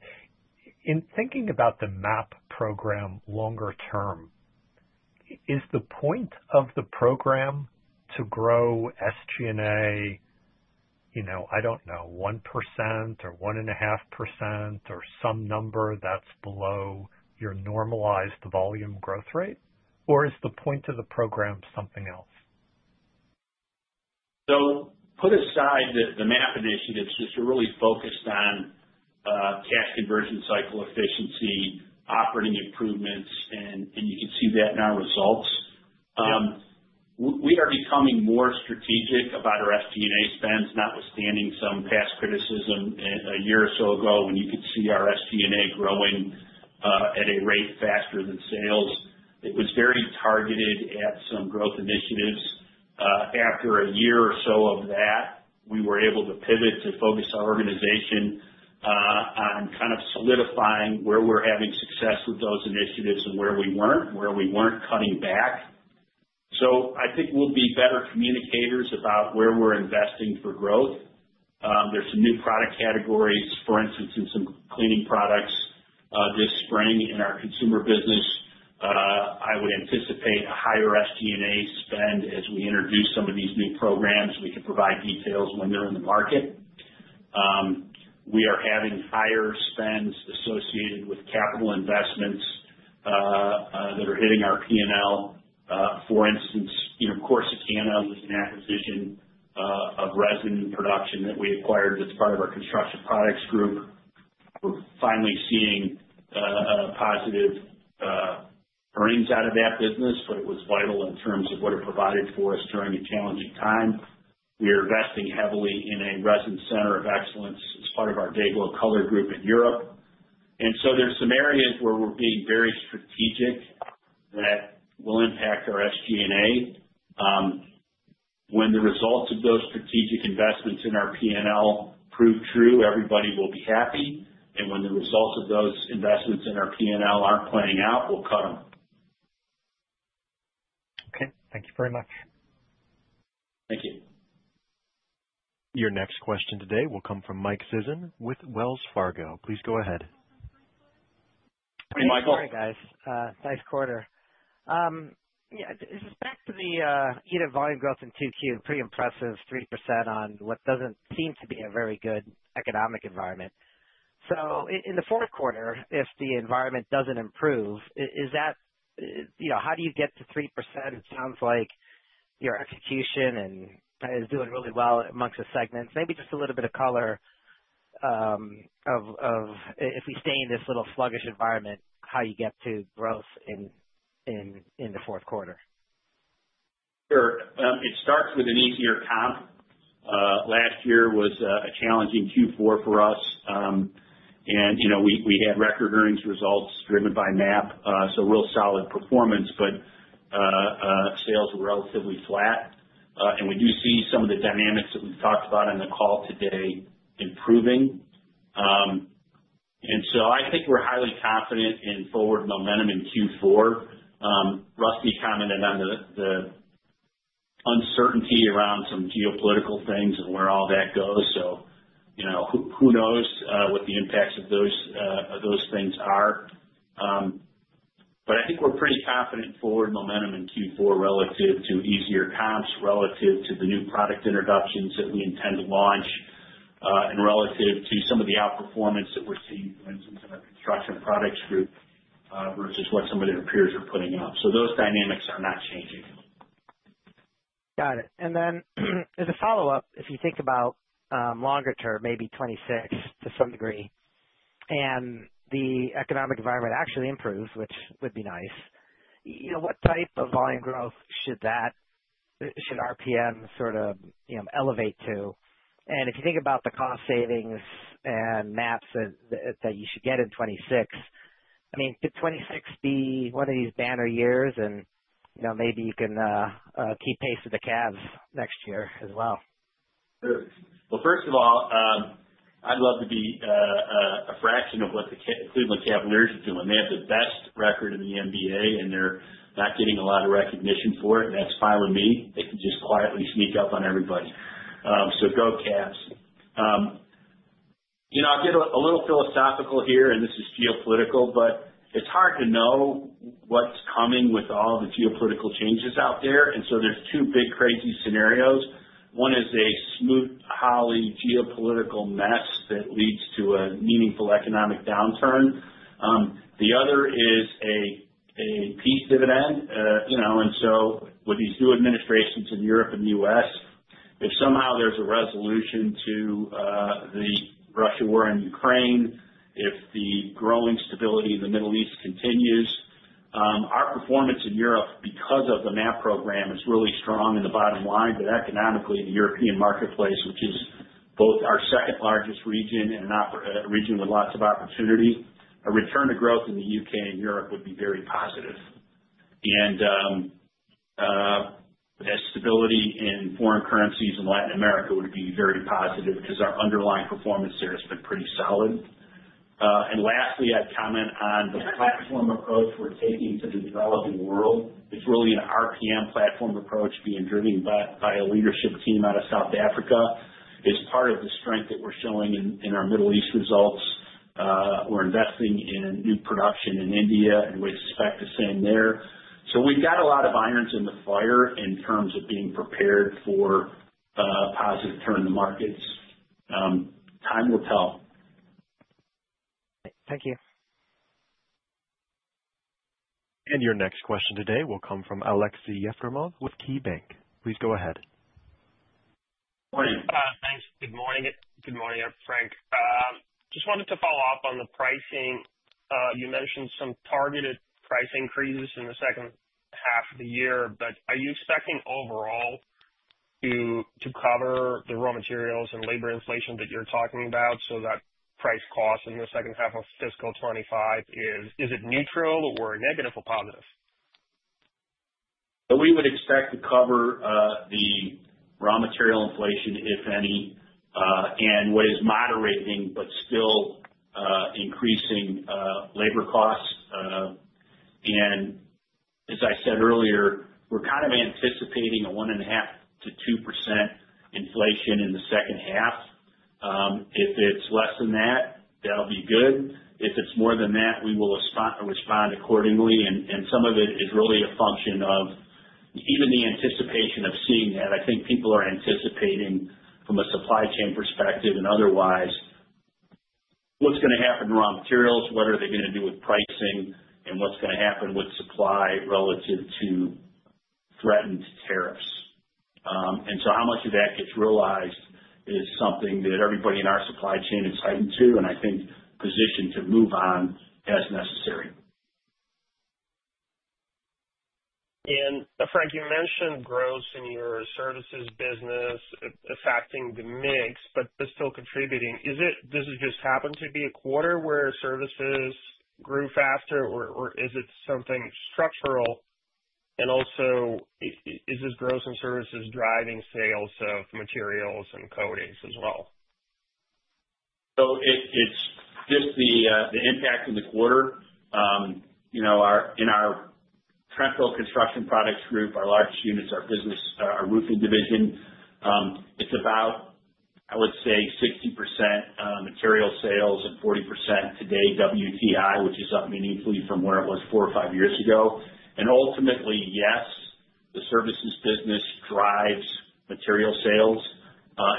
In thinking about the MAP program longer term, is the point of the program to grow SG&A, I don't know, 1% or 1.5% or some number that's below your normalized volume growth rate? Or is the point of the program something else? Put aside the MAP initiatives, which are really focused on cash conversion cycle efficiency, operating improvements, and you can see that in our results. We are becoming more strategic about our SG&A spends, notwithstanding some past criticism a year or so ago when you could see our SG&A growing at a rate faster than sales. It was very targeted at some growth initiatives. After a year or so of that, we were able to pivot to focus our organization on kind of solidifying where we're having success with those initiatives and where we weren't cutting back. I think we'll be better communicators about where we're investing for growth. There's some new product categories, for instance, in some cleaning products this spring in our consumer business. I would anticipate a higher SG&A spend as we introduce some of these new programs. We can provide details when they're in the market. We are having higher spends associated with capital investments that are hitting our P&L. For instance, Corsicana was an acquisition of resin production that we acquired that's part of our construction products group. We're finally seeing positive earnings out of that business, but it was vital in terms of what it provided for us during a challenging time. We are investing heavily in a resin center of excellence as part of our DayGlo color group in Europe. And so there's some areas where we're being very strategic that will impact our SG&A. When the results of those strategic investments in our P&L prove true, everybody will be happy. And when the results of those investments in our P&L aren't playing out, we'll cut them. Okay. Thank you very much. Thank you. Your next question today will come from Mike Sison with Wells Fargo. Please go ahead. Hey, Michael. Hi, guys. Nice quarter. Yeah. This is back to the EBIT volume growth in Q2. Pretty impressive. 3% on what doesn't seem to be a very good economic environment. So in the fourth quarter, if the environment doesn't improve, how do you get to 3%? It sounds like your execution is doing really well amongst the segments. Maybe just a little bit of color of, if we stay in this little sluggish environment, how you get to growth in the fourth quarter? Sure. It starts with an easier comp. Last year was a challenging Q4 for us. And we had record earnings results driven by MAP, so real solid performance, but sales were relatively flat. And we do see some of the dynamics that we've talked about in the call today improving. And so I think we're highly confident in forward momentum in Q4. Rusty commented on the uncertainty around some geopolitical things and where all that goes. So who knows what the impacts of those things are. But I think we're pretty confident in forward momentum in Q4 relative to easier comps, relative to the new product introductions that we intend to launch, and relative to some of the outperformance that we're seeing in our construction products group versus what some of their peers are putting up. So those dynamics are not changing. Got it. And then as a follow-up, if you think about longer term, maybe 2026 to some degree, and the economic environment actually improves, which would be nice, what type of volume growth should RPM sort of elevate to? And if you think about the cost savings and MAPs that you should get in 2026, I mean, could 2026 be one of these banner years? And maybe you can keep pace with the Cavs next year as well. Well, first of all, I'd love to be a fraction of what the Cleveland Cavaliers are doing. They have the best record in the NBA, and they're not getting a lot of recognition for it. And that's fine with me. They can just quietly sneak up on everybody. So go, Cavs. I'll get a little philosophical here, and this is geopolitical, but it's hard to know what's coming with all the geopolitical changes out there. And so there's two big crazy scenarios. One is a smooth, holy geopolitical mess that leads to a meaningful economic downturn. The other is a peace dividend. And so with these new administrations in Europe and the U.S., if somehow there's a resolution to the Russia war in Ukraine, if the growing stability in the Middle East continues, our performance in Europe because of the MAP program is really strong in the bottom line. But economically, the European marketplace, which is both our second largest region and a region with lots of opportunity, a return to growth in the U.K. and Europe would be very positive. And stability in foreign currencies in Latin America would be very positive because our underlying performance there has been pretty solid. And lastly, I'd comment on the platform approach we're taking to the developing world. It's really an RPM platform approach being driven by a leadership team out of South Africa. It's part of the strength that we're showing in our Middle East results. We're investing in new production in India, and we expect the same there. So we've got a lot of irons in the fire in terms of being prepared for a positive turn in the markets. Time will tell. Thank you. Your next question today will come from Aleksey Yefremov with KeyBanc. Please go ahead. Morning. Thanks. Good morning. Good morning, Frank. Just wanted to follow up on the pricing. You mentioned some targeted price increases in the second half of the year, but are you expecting overall to cover the raw materials and labor inflation that you're talking about so that price costs in the second half of fiscal 2025 is it neutral or negative or positive? So we would expect to cover the raw material inflation, if any, and what is moderating but still increasing labor costs. And as I said earlier, we're kind of anticipating a 1.5%-2% inflation in the second half. If it's less than that, that'll be good. If it's more than that, we will respond accordingly. And some of it is really a function of even the anticipation of seeing that. I think people are anticipating from a supply chain perspective and otherwise what's going to happen to raw materials, what are they going to do with pricing, and what's going to happen with supply relative to threatened tariffs. And so how much of that gets realized is something that everybody in our supply chain is heightened to. And I think positioned to move on as necessary. And Frank, you mentioned growth in your services business affecting the mix, but still contributing. This has just happened to be a quarter where services grew faster, or is it something structural? And also, is this growth in services driving sales of materials and coatings as well? It's just the impact in the quarter. In our Tremco Construction Products Group, our largest units, our roofing division, it's about, I would say, 60% material sales and 40% today WTI, which is up meaningfully from where it was four or five years ago. Ultimately, yes, the services business drives material sales.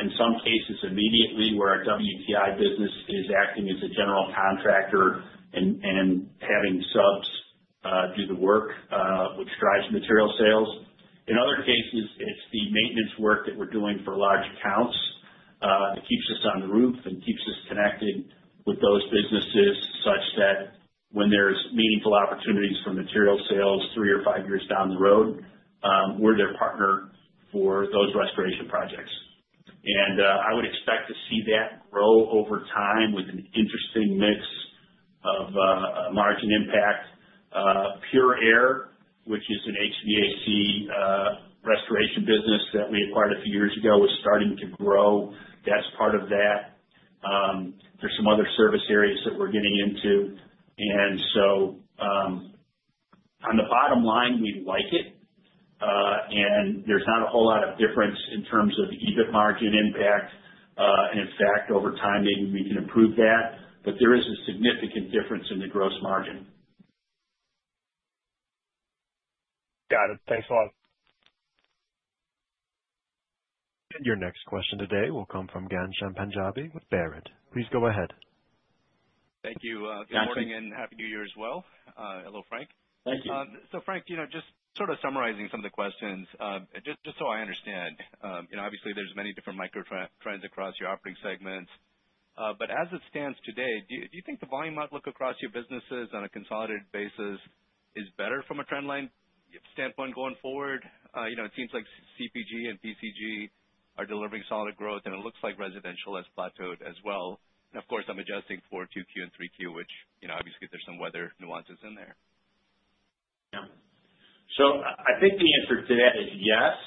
In some cases, immediately, where our WTI business is acting as a general contractor and having subs do the work, which drives material sales. In other cases, it's the maintenance work that we're doing for large accounts. It keeps us on the roof and keeps us connected with those businesses such that when there's meaningful opportunities for material sales three or five years down the road, we're their partner for those restoration projects. I would expect to see that grow over time with an interesting mix of margin impact. Pure Air, which is an HVAC restoration business that we acquired a few years ago, is starting to grow. That's part of that. There's some other service areas that we're getting into. And so on the bottom line, we like it. And there's not a whole lot of difference in terms of EBIT margin impact. And in fact, over time, maybe we can improve that. But there is a significant difference in the gross margin. Got it. Thanks a lot. Your next question today will come from Ghansham Panjabi with Baird. Please go ahead. Thank you. Good morning and happy New Year as well. Hello, Frank. Thank you. So Frank, just sort of summarizing some of the questions, just so I understand, obviously, there's many different microtrends across your operating segments. But as it stands today, do you think the volume outlook across your businesses on a consolidated basis is better from a trendline standpoint going forward? It seems like CPG and PCG are delivering solid growth, and it looks like residential has plateaued as well. And of course, I'm adjusting for Q2 and Q3, which obviously there's some weather nuances in there. Yeah. So I think the answer to that is yes.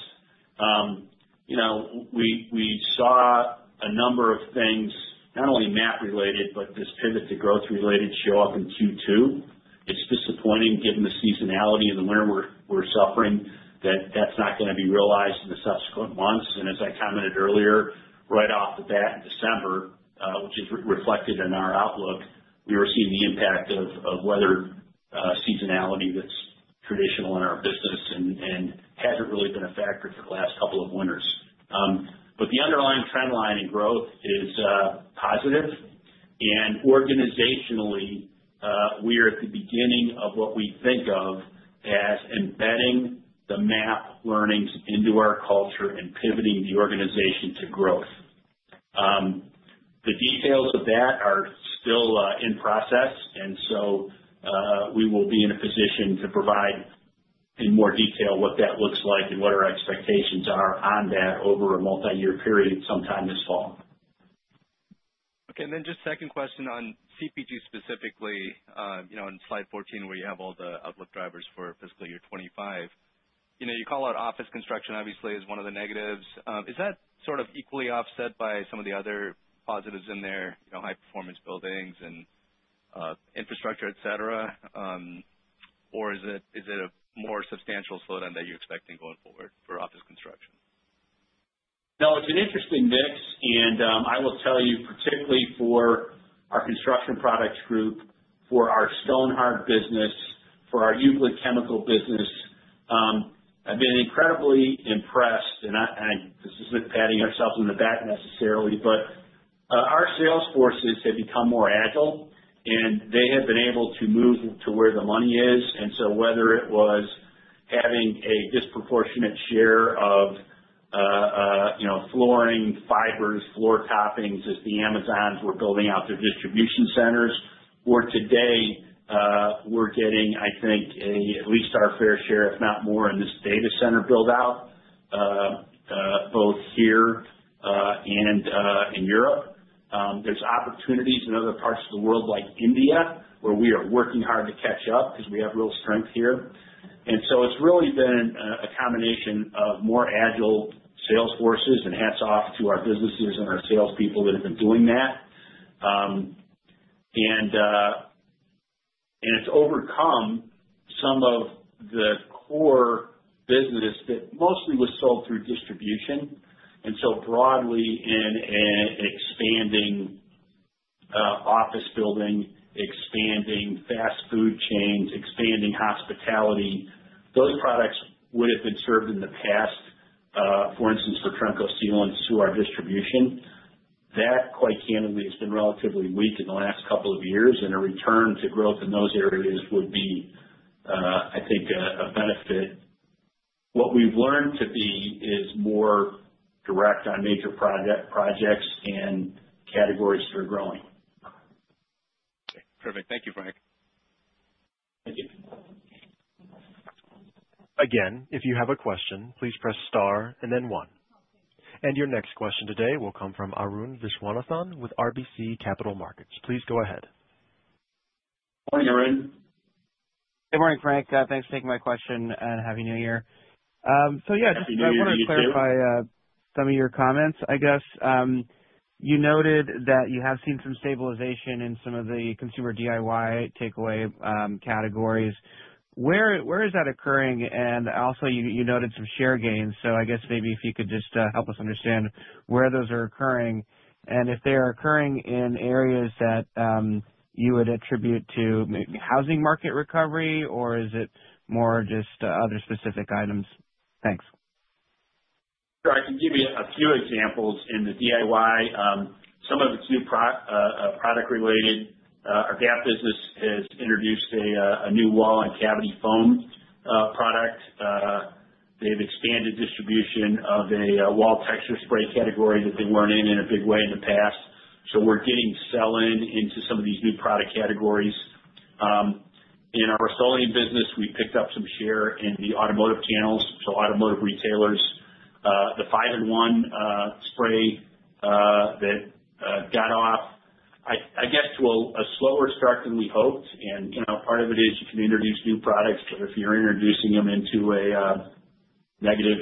We saw a number of things, not only MAP-related, but this pivot to growth-related show up in Q2. It's disappointing given the seasonality and the winter we're suffering, that that's not going to be realized in the subsequent months. And as I commented earlier, right off the bat in December, which is reflected in our outlook, we were seeing the impact of weather seasonality that's traditional in our business and hasn't really been a factor for the last couple of winters. But the underlying trendline and growth is positive. And organizationally, we are at the beginning of what we think of as embedding the MAP learnings into our culture and pivoting the organization to growth. The details of that are still in process. We will be in a position to provide in more detail what that looks like and what our expectations are on that over a multi-year period sometime this fall. Okay. And then just second question on CPG specifically, on slide 14, where you have all the outlook drivers for fiscal year 2025, you call out office construction, obviously, as one of the negatives. Is that sort of equally offset by some of the other positives in there, high-performance buildings and infrastructure, etc.? Or is it a more substantial slowdown that you're expecting going forward for office construction? No, it's an interesting mix. And I will tell you, particularly for our construction products group, for our Stonhard business, for our Euclid Chemical business, I've been incredibly impressed. And this isn't patting ourselves on the back necessarily, but our sales forces have become more agile, and they have been able to move to where the money is. And so whether it was having a disproportionate share of flooring fibers, floor toppings as the Amazons were building out their distribution centers, or today, we're getting, I think, at least our fair share, if not more, in this data center build-out, both here and in Europe. There's opportunities in other parts of the world like India, where we are working hard to catch up because we have real strength here. And so it's really been a combination of more agile sales forces and hats off to our businesses and our salespeople that have been doing that. And it's overcome some of the core business that mostly was sold through distribution. And so broadly in expanding office building, expanding fast food chains, expanding hospitality, those products would have been served in the past, for instance, for Tremco Sealants through our distribution. That quite candidly has been relatively weak in the last couple of years. And a return to growth in those areas would be, I think, a benefit. What we've learned to be is more direct on major projects and categories that are growing. Okay. Perfect. Thank you, Frank. Again, if you have a question, please press star and then one. And your next question today will come from Arun Viswanathan with RBC Capital Markets. Please go ahead. Morning, Arun. Hey, morning, Frank. Thanks for taking my question and happy New Year. So yeah, just wanted to clarify some of your comments. I guess you noted that you have seen some stabilization in some of the consumer DIY takeaway categories. Where is that occurring? And also, you noted some share gains. So I guess maybe if you could just help us understand where those are occurring and if they are occurring in areas that you would attribute to housing market recovery, or is it more just other specific items? Thanks. Sure. I can give you a few examples. In the DIY, some of it's new product-related. Our DAP business has introduced a new wall and cavity foam product. They've expanded distribution of a wall texture spray category that they weren't in in a big way in the past. So we're getting selling into some of these new product categories. In our Rust-Oleum business, we picked up some share in the automotive channels. So automotive retailers, the 5-in-1 spray that got off, I guess, to a slower start than we hoped. And part of it is you can introduce new products, but if you're introducing them into a negative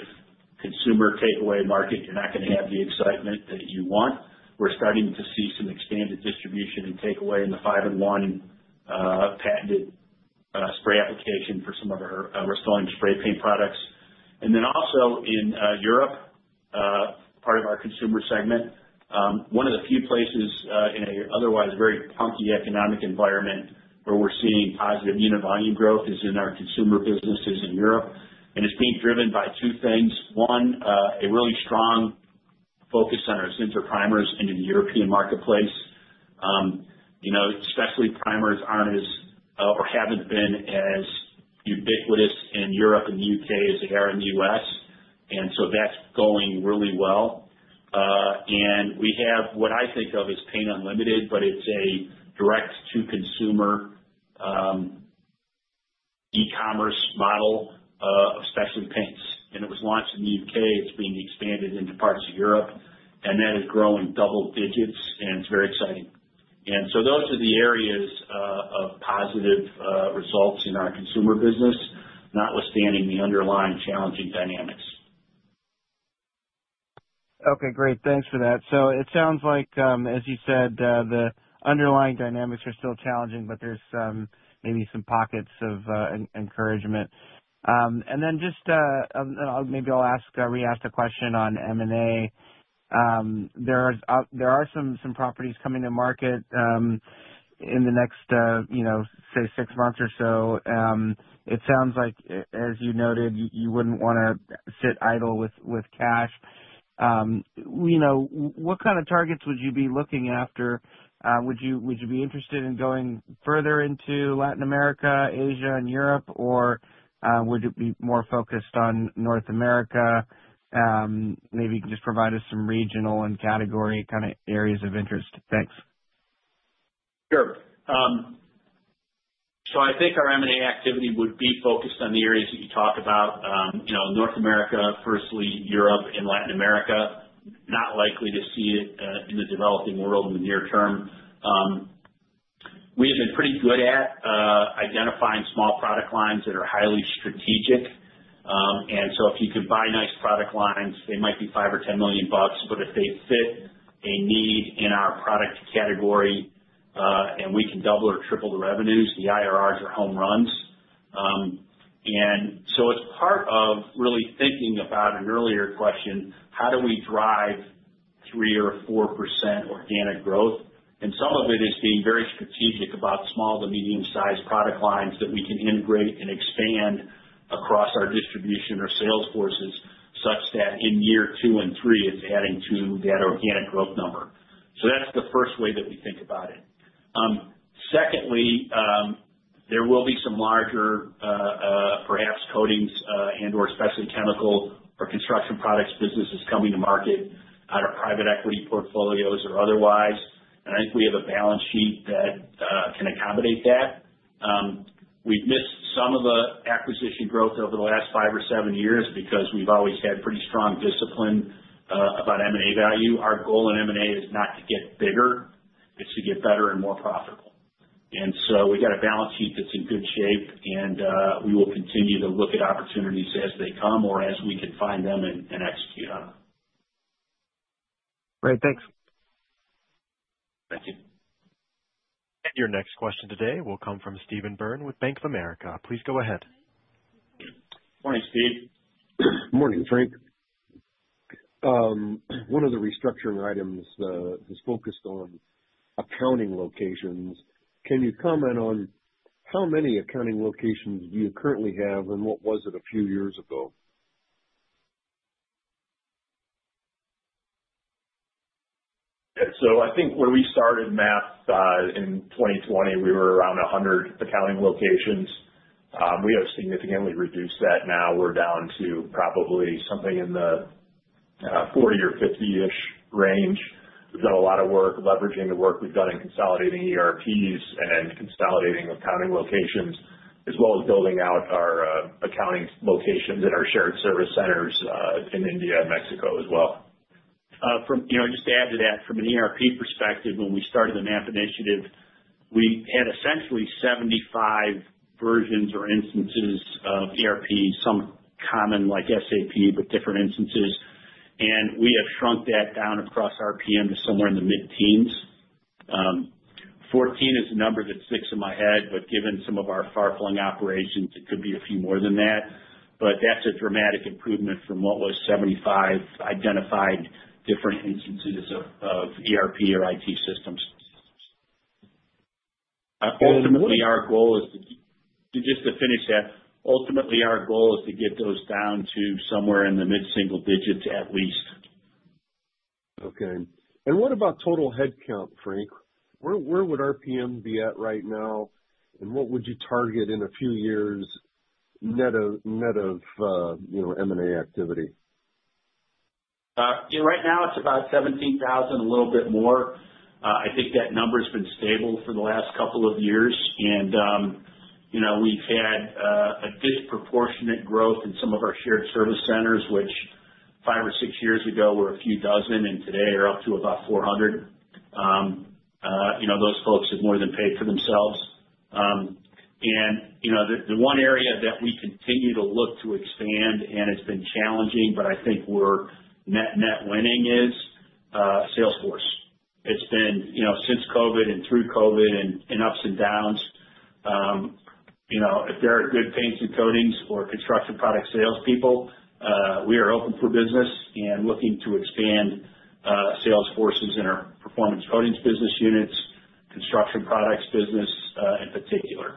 consumer takeaway market, you're not going to have the excitement that you want. We're starting to see some expanded distribution and takeaway in the 5-in-1 patented spray application for some of our Rust-Oleum spray paint products. And then also in Europe, part of our consumer segment, one of the few places in an otherwise very punky economic environment where we're seeing positive unit volume growth is in our consumer businesses in Europe. And it's being driven by two things. One, a really strong focus on our Zinsser primers into the European marketplace. Especially primers aren't as, or haven't been as ubiquitous in Europe and the U.K. as they are in the U.S. And so that's going really well. And we have what I think of as Paint Unlimited, but it's a direct-to-consumer e-commerce model, especially paints. And it was launched in the U.K. It's being expanded into parts of Europe. And that is growing double digits. And it's very exciting. And so those are the areas of positive results in our consumer business, notwithstanding the underlying challenging dynamics. Okay. Great. Thanks for that. So it sounds like, as you said, the underlying dynamics are still challenging, but there's maybe some pockets of encouragement. Then just maybe I'll ask a re-asked question on M&A. There are some properties coming to market in the next, say, six months or so. It sounds like, as you noted, you wouldn't want to sit idle with cash. What kind of targets would you be looking after? Would you be interested in going further into Latin America, Asia, and Europe, or would it be more focused on North America? Maybe you can just provide us some regional and category kind of areas of interest. Thanks. Sure. So I think our M&A activity would be focused on the areas that you talk about: North America, firstly, Europe, and Latin America. Not likely to see it in the developing world in the near term. We have been pretty good at identifying small product lines that are highly strategic. And so if you could buy nice product lines, they might be $5 million or $10 million. But if they fit a need in our product category and we can double or triple the revenues, the IRRs are home runs. And so it's part of really thinking about an earlier question: how do we drive 3% or 4% organic growth? And some of it is being very strategic about small to medium-sized product lines that we can integrate and expand across our distribution or sales forces such that in year two and three, it's adding to that organic growth number. So that's the first way that we think about it. Secondly, there will be some larger, perhaps, coatings and/or specialty chemical or construction products businesses coming to market out of private equity portfolios or otherwise. And I think we have a balance sheet that can accommodate that. We've missed some of the acquisition growth over the last five or seven years because we've always had pretty strong discipline about M&A value. Our goal in M&A is not to get bigger. It's to get better and more profitable. And so we got a balance sheet that's in good shape. We will continue to look at opportunities as they come or as we can find them and execute on them. Great. Thanks. Thank you. And your next question today will come from Stephen Byrne with Bank of America. Please go ahead. Morning, Steve. Morning, Frank. One of the restructuring items is focused on accounting locations. Can you comment on how many accounting locations do you currently have and what was it a few years ago? So I think when we started MAP in 2020, we were around 100 accounting locations. We have significantly reduced that. Now we're down to probably something in the 40 or 50-ish range. We've done a lot of work leveraging the work we've done in consolidating ERPs and consolidating accounting locations, as well as building out our accounting locations in our shared service centers in India and Mexico as well. Just to add to that, from an ERP perspective, when we started the MAP initiative, we had essentially 75 versions or instances of ERP, some common like SAP, but different instances. And we have shrunk that down across RPM to somewhere in the mid-teens. 14 is a number that sticks in my head, but given some of our far-flying operations, it could be a few more than that. That's a dramatic improvement from what was 75 identified different instances of ERP or IT systems. Ultimately, our goal is to just finish that. Ultimately, our goal is to get those down to somewhere in the mid-single digits at least. Okay. And what about total headcount, Frank? Where would RPM be at right now? And what would you target in a few years net of M&A activity? Right now, it's about 17,000, a little bit more. I think that number has been stable for the last couple of years. And we've had a disproportionate growth in some of our shared service centers, which five or six years ago were a few dozen and today are up to about 400. Those folks have more than paid for themselves. And the one area that we continue to look to expand, and it's been challenging, but I think we're net-net winning, is sales force. It's been since COVID and through COVID and ups and downs. If there are good paints and coatings or construction product salespeople, we are open for business and looking to expand sales forces in our performance coatings business units, construction products business in particular.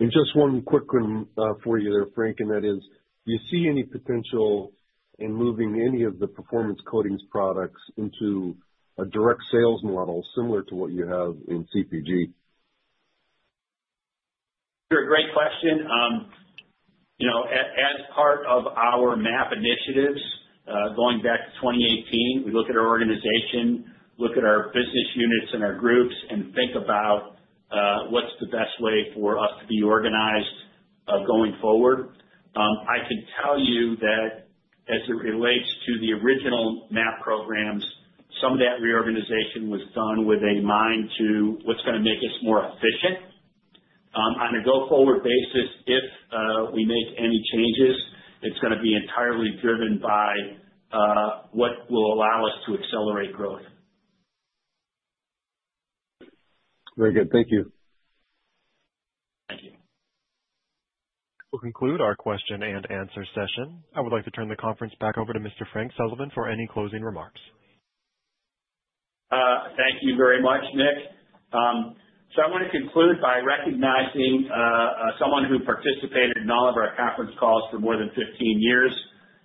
Just one quick one for you there, Frank, and that is, do you see any potential in moving any of the performance coatings products into a direct sales model similar to what you have in CPG? Sure. Great question. As part of our MAP initiatives, going back to 2018, we look at our organization, look at our business units and our groups, and think about what's the best way for us to be organized going forward. I can tell you that as it relates to the original MAP programs, some of that reorganization was done with a mind to what's going to make us more efficient. On a go-forward basis, if we make any changes, it's going to be entirely driven by what will allow us to accelerate growth. Very good. Thank you. Thank you. To conclude our question-and-answer session, I would like to turn the conference back over to Mr. Frank Sullivan for any closing remarks. Thank you very much, Nick. So I want to conclude by recognizing someone who participated in all of our conference calls for more than 15 years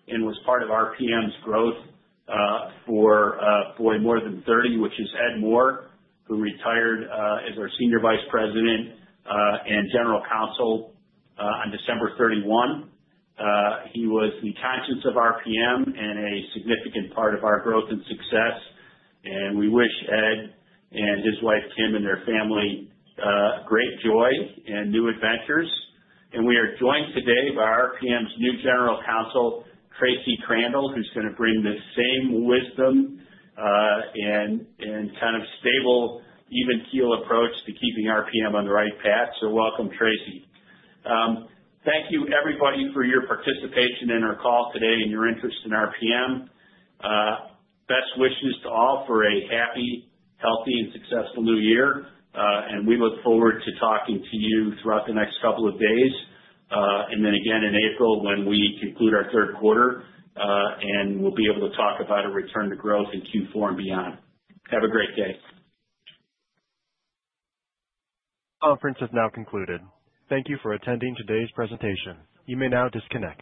and was part of RPM's growth for more than 30, which is Ed Moore, who retired as our Senior Vice President and General Counsel on December 31. He was the conscience of RPM and a significant part of our growth and success. And we wish Ed and his wife, Kim, and their family great joy and new adventures. And we are joined today by RPM's new General Counsel, Tracy Crandall, who's going to bring the same wisdom and kind of stable, even-keel approach to keeping RPM on the right path. So welcome, Tracy. Thank you, everybody, for your participation in our call today and your interest in RPM. Best wishes to all for a happy, healthy, and successful New Year. And we look forward to talking to you throughout the next couple of days. And then again in April when we conclude our third quarter and we'll be able to talk about a return to growth in Q4 and beyond. Have a great day. Conference has now concluded. Thank you for attending today's presentation. You may now disconnect.